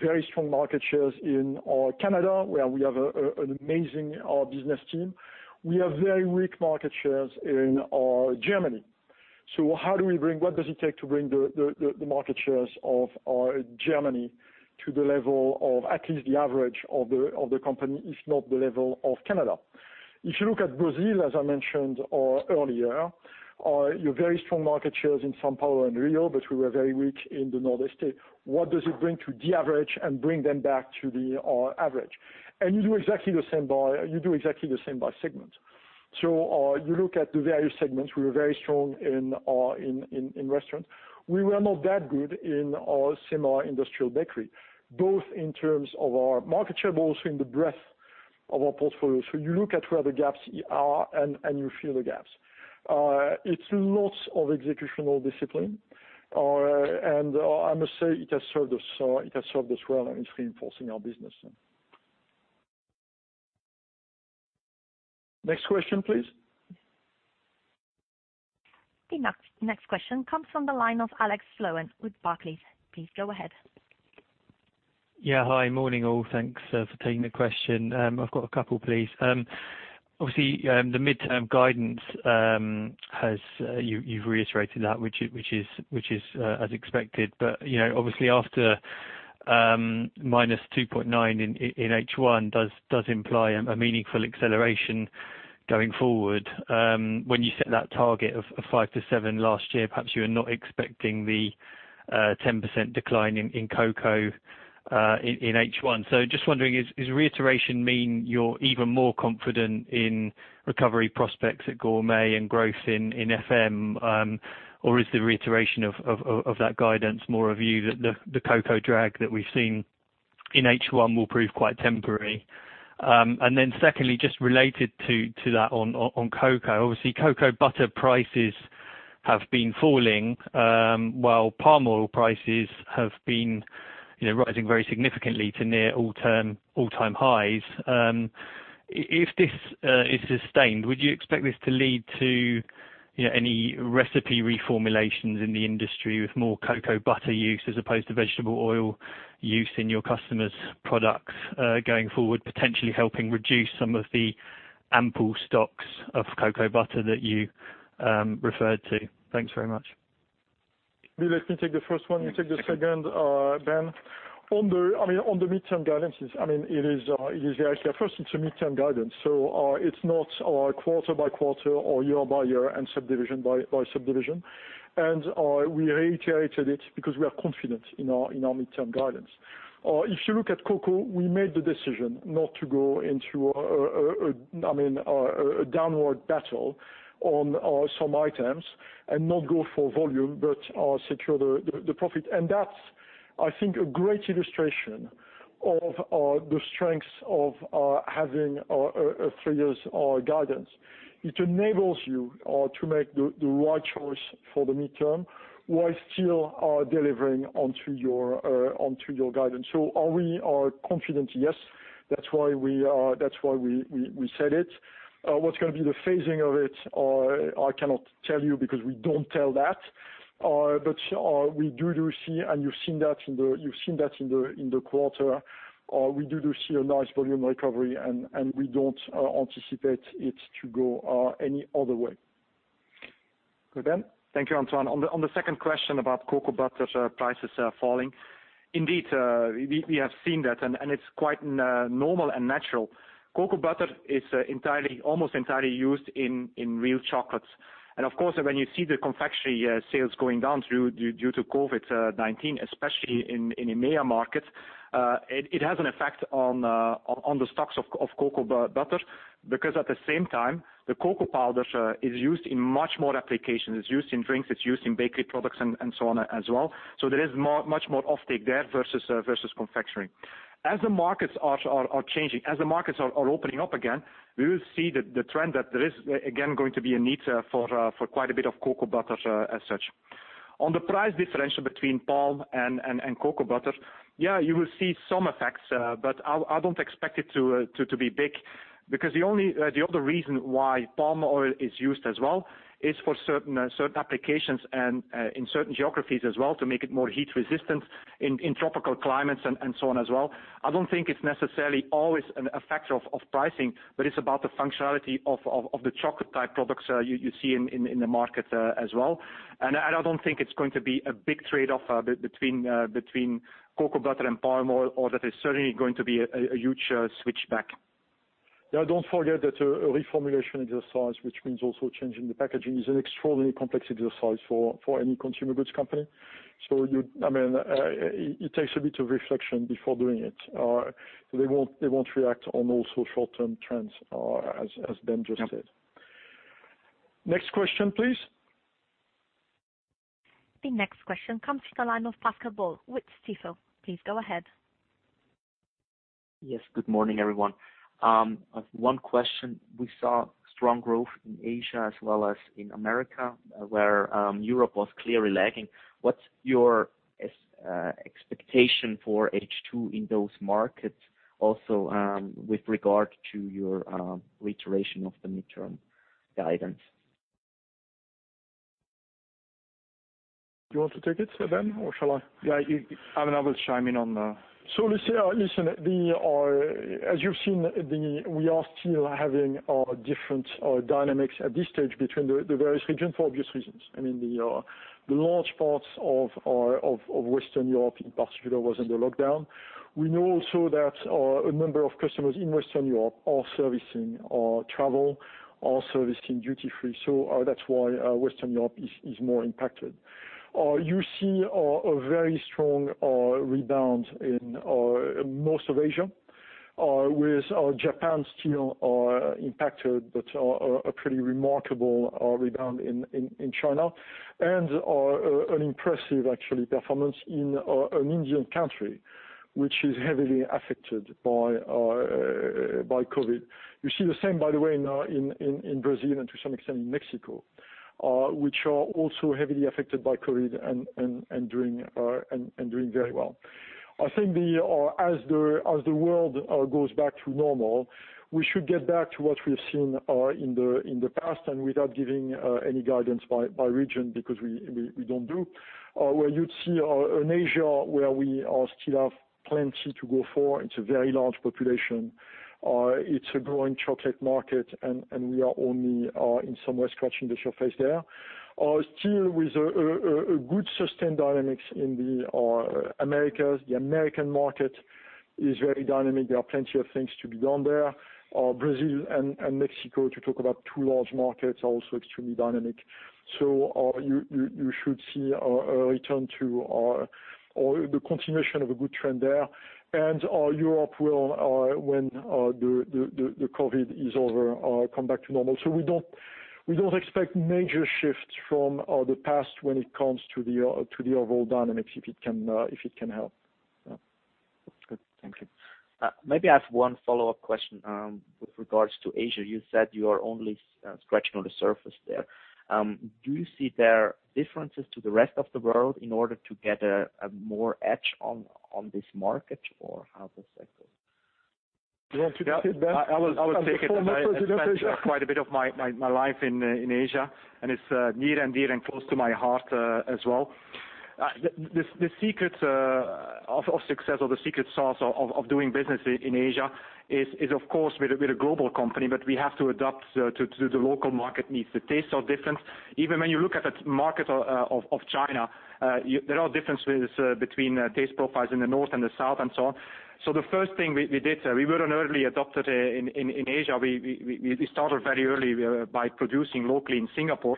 very strong market shares in Canada, where we have an amazing business team. We have very weak market shares in Germany. What does it take to bring the market shares of Germany to the level of at least the average of the company, if not the level of Canada? If you look at Brazil, as I mentioned earlier, you have very strong market shares in São Paulo and Rio, but we were very weak in the Northeast. What does it bring to de-average and bring them back to the average? You do exactly the same by segment. You look at the various segments. We are very strong in restaurant. We were not that good in semi-industrial bakery, both in terms of our market share, but also in the breadth of our portfolio. You look at where the gaps are, and you fill the gaps. It's lots of executional discipline. I must say, it has served us well, and it's reinforcing our business. Next question, please. The next question comes from the line of Alex Sloane with Barclays. Please go ahead. Yeah. Hi. Morning, all. Thanks for taking the question. I've got a couple, please. The midterm guidance, you've reiterated that, which is as expected. After -2.9% in H1 does imply a meaningful acceleration going forward. When you set that target of 5%-7% last year, perhaps you were not expecting the 10% decline in cocoa in H1. Just wondering, does reiteration mean you're even more confident in recovery prospects at Gourmet & Specialties and growth in Food Manufacturers? Is the reiteration of that guidance more a view that the cocoa drag that we've seen in H1 will prove quite temporary? Secondly, just related to that on cocoa. Cocoa butter prices have been falling, while palm oil prices have been rising very significantly to near all-time highs. If this is sustained, would you expect this to lead to any recipe reformulations in the industry with more cocoa butter use as opposed to vegetable oil use in your customers' products going forward, potentially helping reduce some of the ample stocks of cocoa butter that you referred to? Thanks very much. You let me take the first one, you take the second, Ben. On the midterm guidance, first, it's a midterm guidance, so it's not quarter by quarter or year by year and subdivision by subdivision. We reiterated it because we are confident in our midterm guidance. If you look at cocoa, we made the decision not to go into a downward battle on some items and not go for volume, but secure the profit. That's, I think, a great illustration of the strengths of having a three years guidance. It enables you to make the right choice for the midterm, while still delivering onto your guidance. Are we confident? Yes. That's why we said it. What's going to be the phasing of it, I cannot tell you, because we don't tell that. We do see, and you've seen that in the quarter, we do see a nice volume recovery, and we don't anticipate it to go any other way. Go, Ben. Thank you, Antoine. On the second question about cocoa butter prices falling, indeed, we have seen that, and it's quite normal and natural. Cocoa butter is almost entirely used in real chocolates. Of course, when you see the confectionery sales going down due to COVID-19, especially in the EMEA markets, it has an effect on the stocks of cocoa butter because at the same time, the cocoa powder is used in much more applications. It's used in drinks, it's used in bakery products and so on as well. There is much more off-take there versus confectionery. As the markets are changing, as the markets are opening up again, we will see the trend that there is again going to be a need for quite a bit of cocoa butter as such. On the price differential between palm and cocoa butter, yeah, you will see some effects, but I don't expect it to be big because the other reason why palm oil is used as well is for certain applications and in certain geographies as well to make it more heat resistant in tropical climates and so on as well. I don't think it's necessarily always a factor of pricing, but it's about the functionality of the chocolate type products you see in the market as well. I don't think it's going to be a big trade-off between cocoa butter and palm oil, or that it's certainly going to be a huge switchback. Yeah, don't forget that a reformulation exercise, which means also changing the packaging, is an extraordinarily complex exercise for any consumer goods company. It takes a bit of reflection before doing it. They won't react on those short-term trends, as Ben just said. Yeah. Next question, please. The next question comes from the line of Pascal Boll with Stifel. Please go ahead. Yes, good morning, everyone. One question. We saw strong growth in Asia as well as in America, where Europe was clearly lagging. What is your expectation for H2 in those markets, also with regard to your reiteration of the midterm guidance? Do you want to take it, Ben, or shall I? Yeah. I will chime in. Listen, as you've seen, we are still having different dynamics at this stage between the various regions for obvious reasons. The large parts of Western Europe in particular was under lockdown. We know also that a number of customers in Western Europe are servicing travel, are servicing duty free. That's why Western Europe is more impacted. You see a very strong rebound in most of Asia, with Japan still impacted, but a pretty remarkable rebound in China and an impressive actually performance in India, which is heavily affected by COVID-19. You see the same, by the way, in Brazil and to some extent in Mexico, which are also heavily affected by COVID-19 and doing very well. I think as the world goes back to normal, we should get back to what we have seen in the past and without giving any guidance by region, because we don't do, where you'd see in Asia, where we still have plenty to go for. It's a very large population. It's a growing chocolate market, and we are only in some way scratching the surface there. Still with good sustained dynamics in the Americas. The American market is very dynamic. There are plenty of things to be done there. Brazil and Mexico, to talk about two large markets, are also extremely dynamic. You should see a return to, or the continuation of a good trend there. Europe will, when the COVID-19 is over, come back to normal. We don't expect major shifts from the past when it comes to the overall dynamics, if it can help. Good. Thank you. I have one follow-up question with regards to Asia. You said you are only scratching on the surface there. Do you see there differences to the rest of the world in order to get more edge on this market, or how does that go? You want me to take that? I will take it. I spent quite a bit of my life in Asia, and it's near and dear and close to my heart as well. The secret of success, or the secret sauce of doing business in Asia is, of course, we're a global company, but we have to adapt to the local market needs. The tastes are different. Even when you look at the market of China, there are differences between taste profiles in the north and the south and so on. The first thing we did, we were an early adopter in Asia. We started very early by producing locally in Singapore.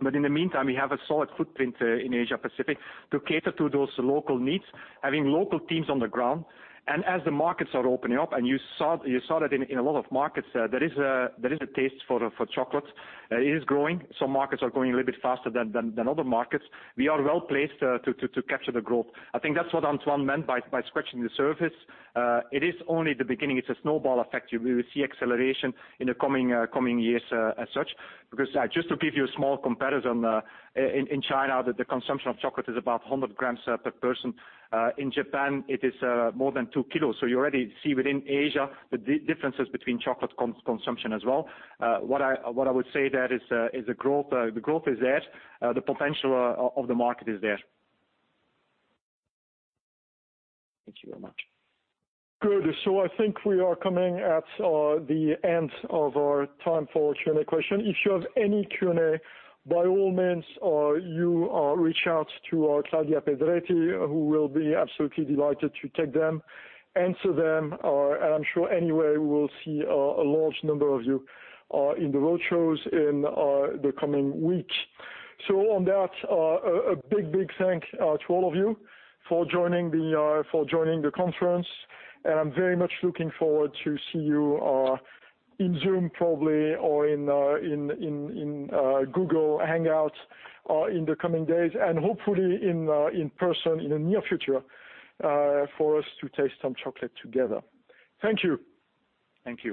In the meantime, we have a solid footprint in Asia Pacific to cater to those local needs, having local teams on the ground. As the markets are opening up, and you saw that in a lot of markets, there is a taste for chocolate. It is growing. Some markets are growing a little bit faster than other markets. We are well-placed to capture the growth. I think that's what Antoine meant by scratching the surface. It is only the beginning. It's a snowball effect. We will see acceleration in the coming years as such. Just to give you a small comparison, in China, the consumption of chocolate is about 100 grams per person. In Japan, it is more than two kilos. You already see within Asia the differences between chocolate consumption as well. What I would say there is the growth is there. The potential of the market is there. Thank you very much. Good. I think we are coming at the end of our time for Q&A question. If you have any Q&A, by all means, you reach out to Claudia Pedretti, who will be absolutely delighted to take them, answer them, and I'm sure anyway, we'll see a large number of you in the roadshows in the coming weeks. On that, a big thank to all of you for joining the conference, and I'm very much looking forward to see you in Zoom, probably, or in Google Hangouts in the coming days, and hopefully in person in the near future, for us to taste some chocolate together. Thank you. Thank you.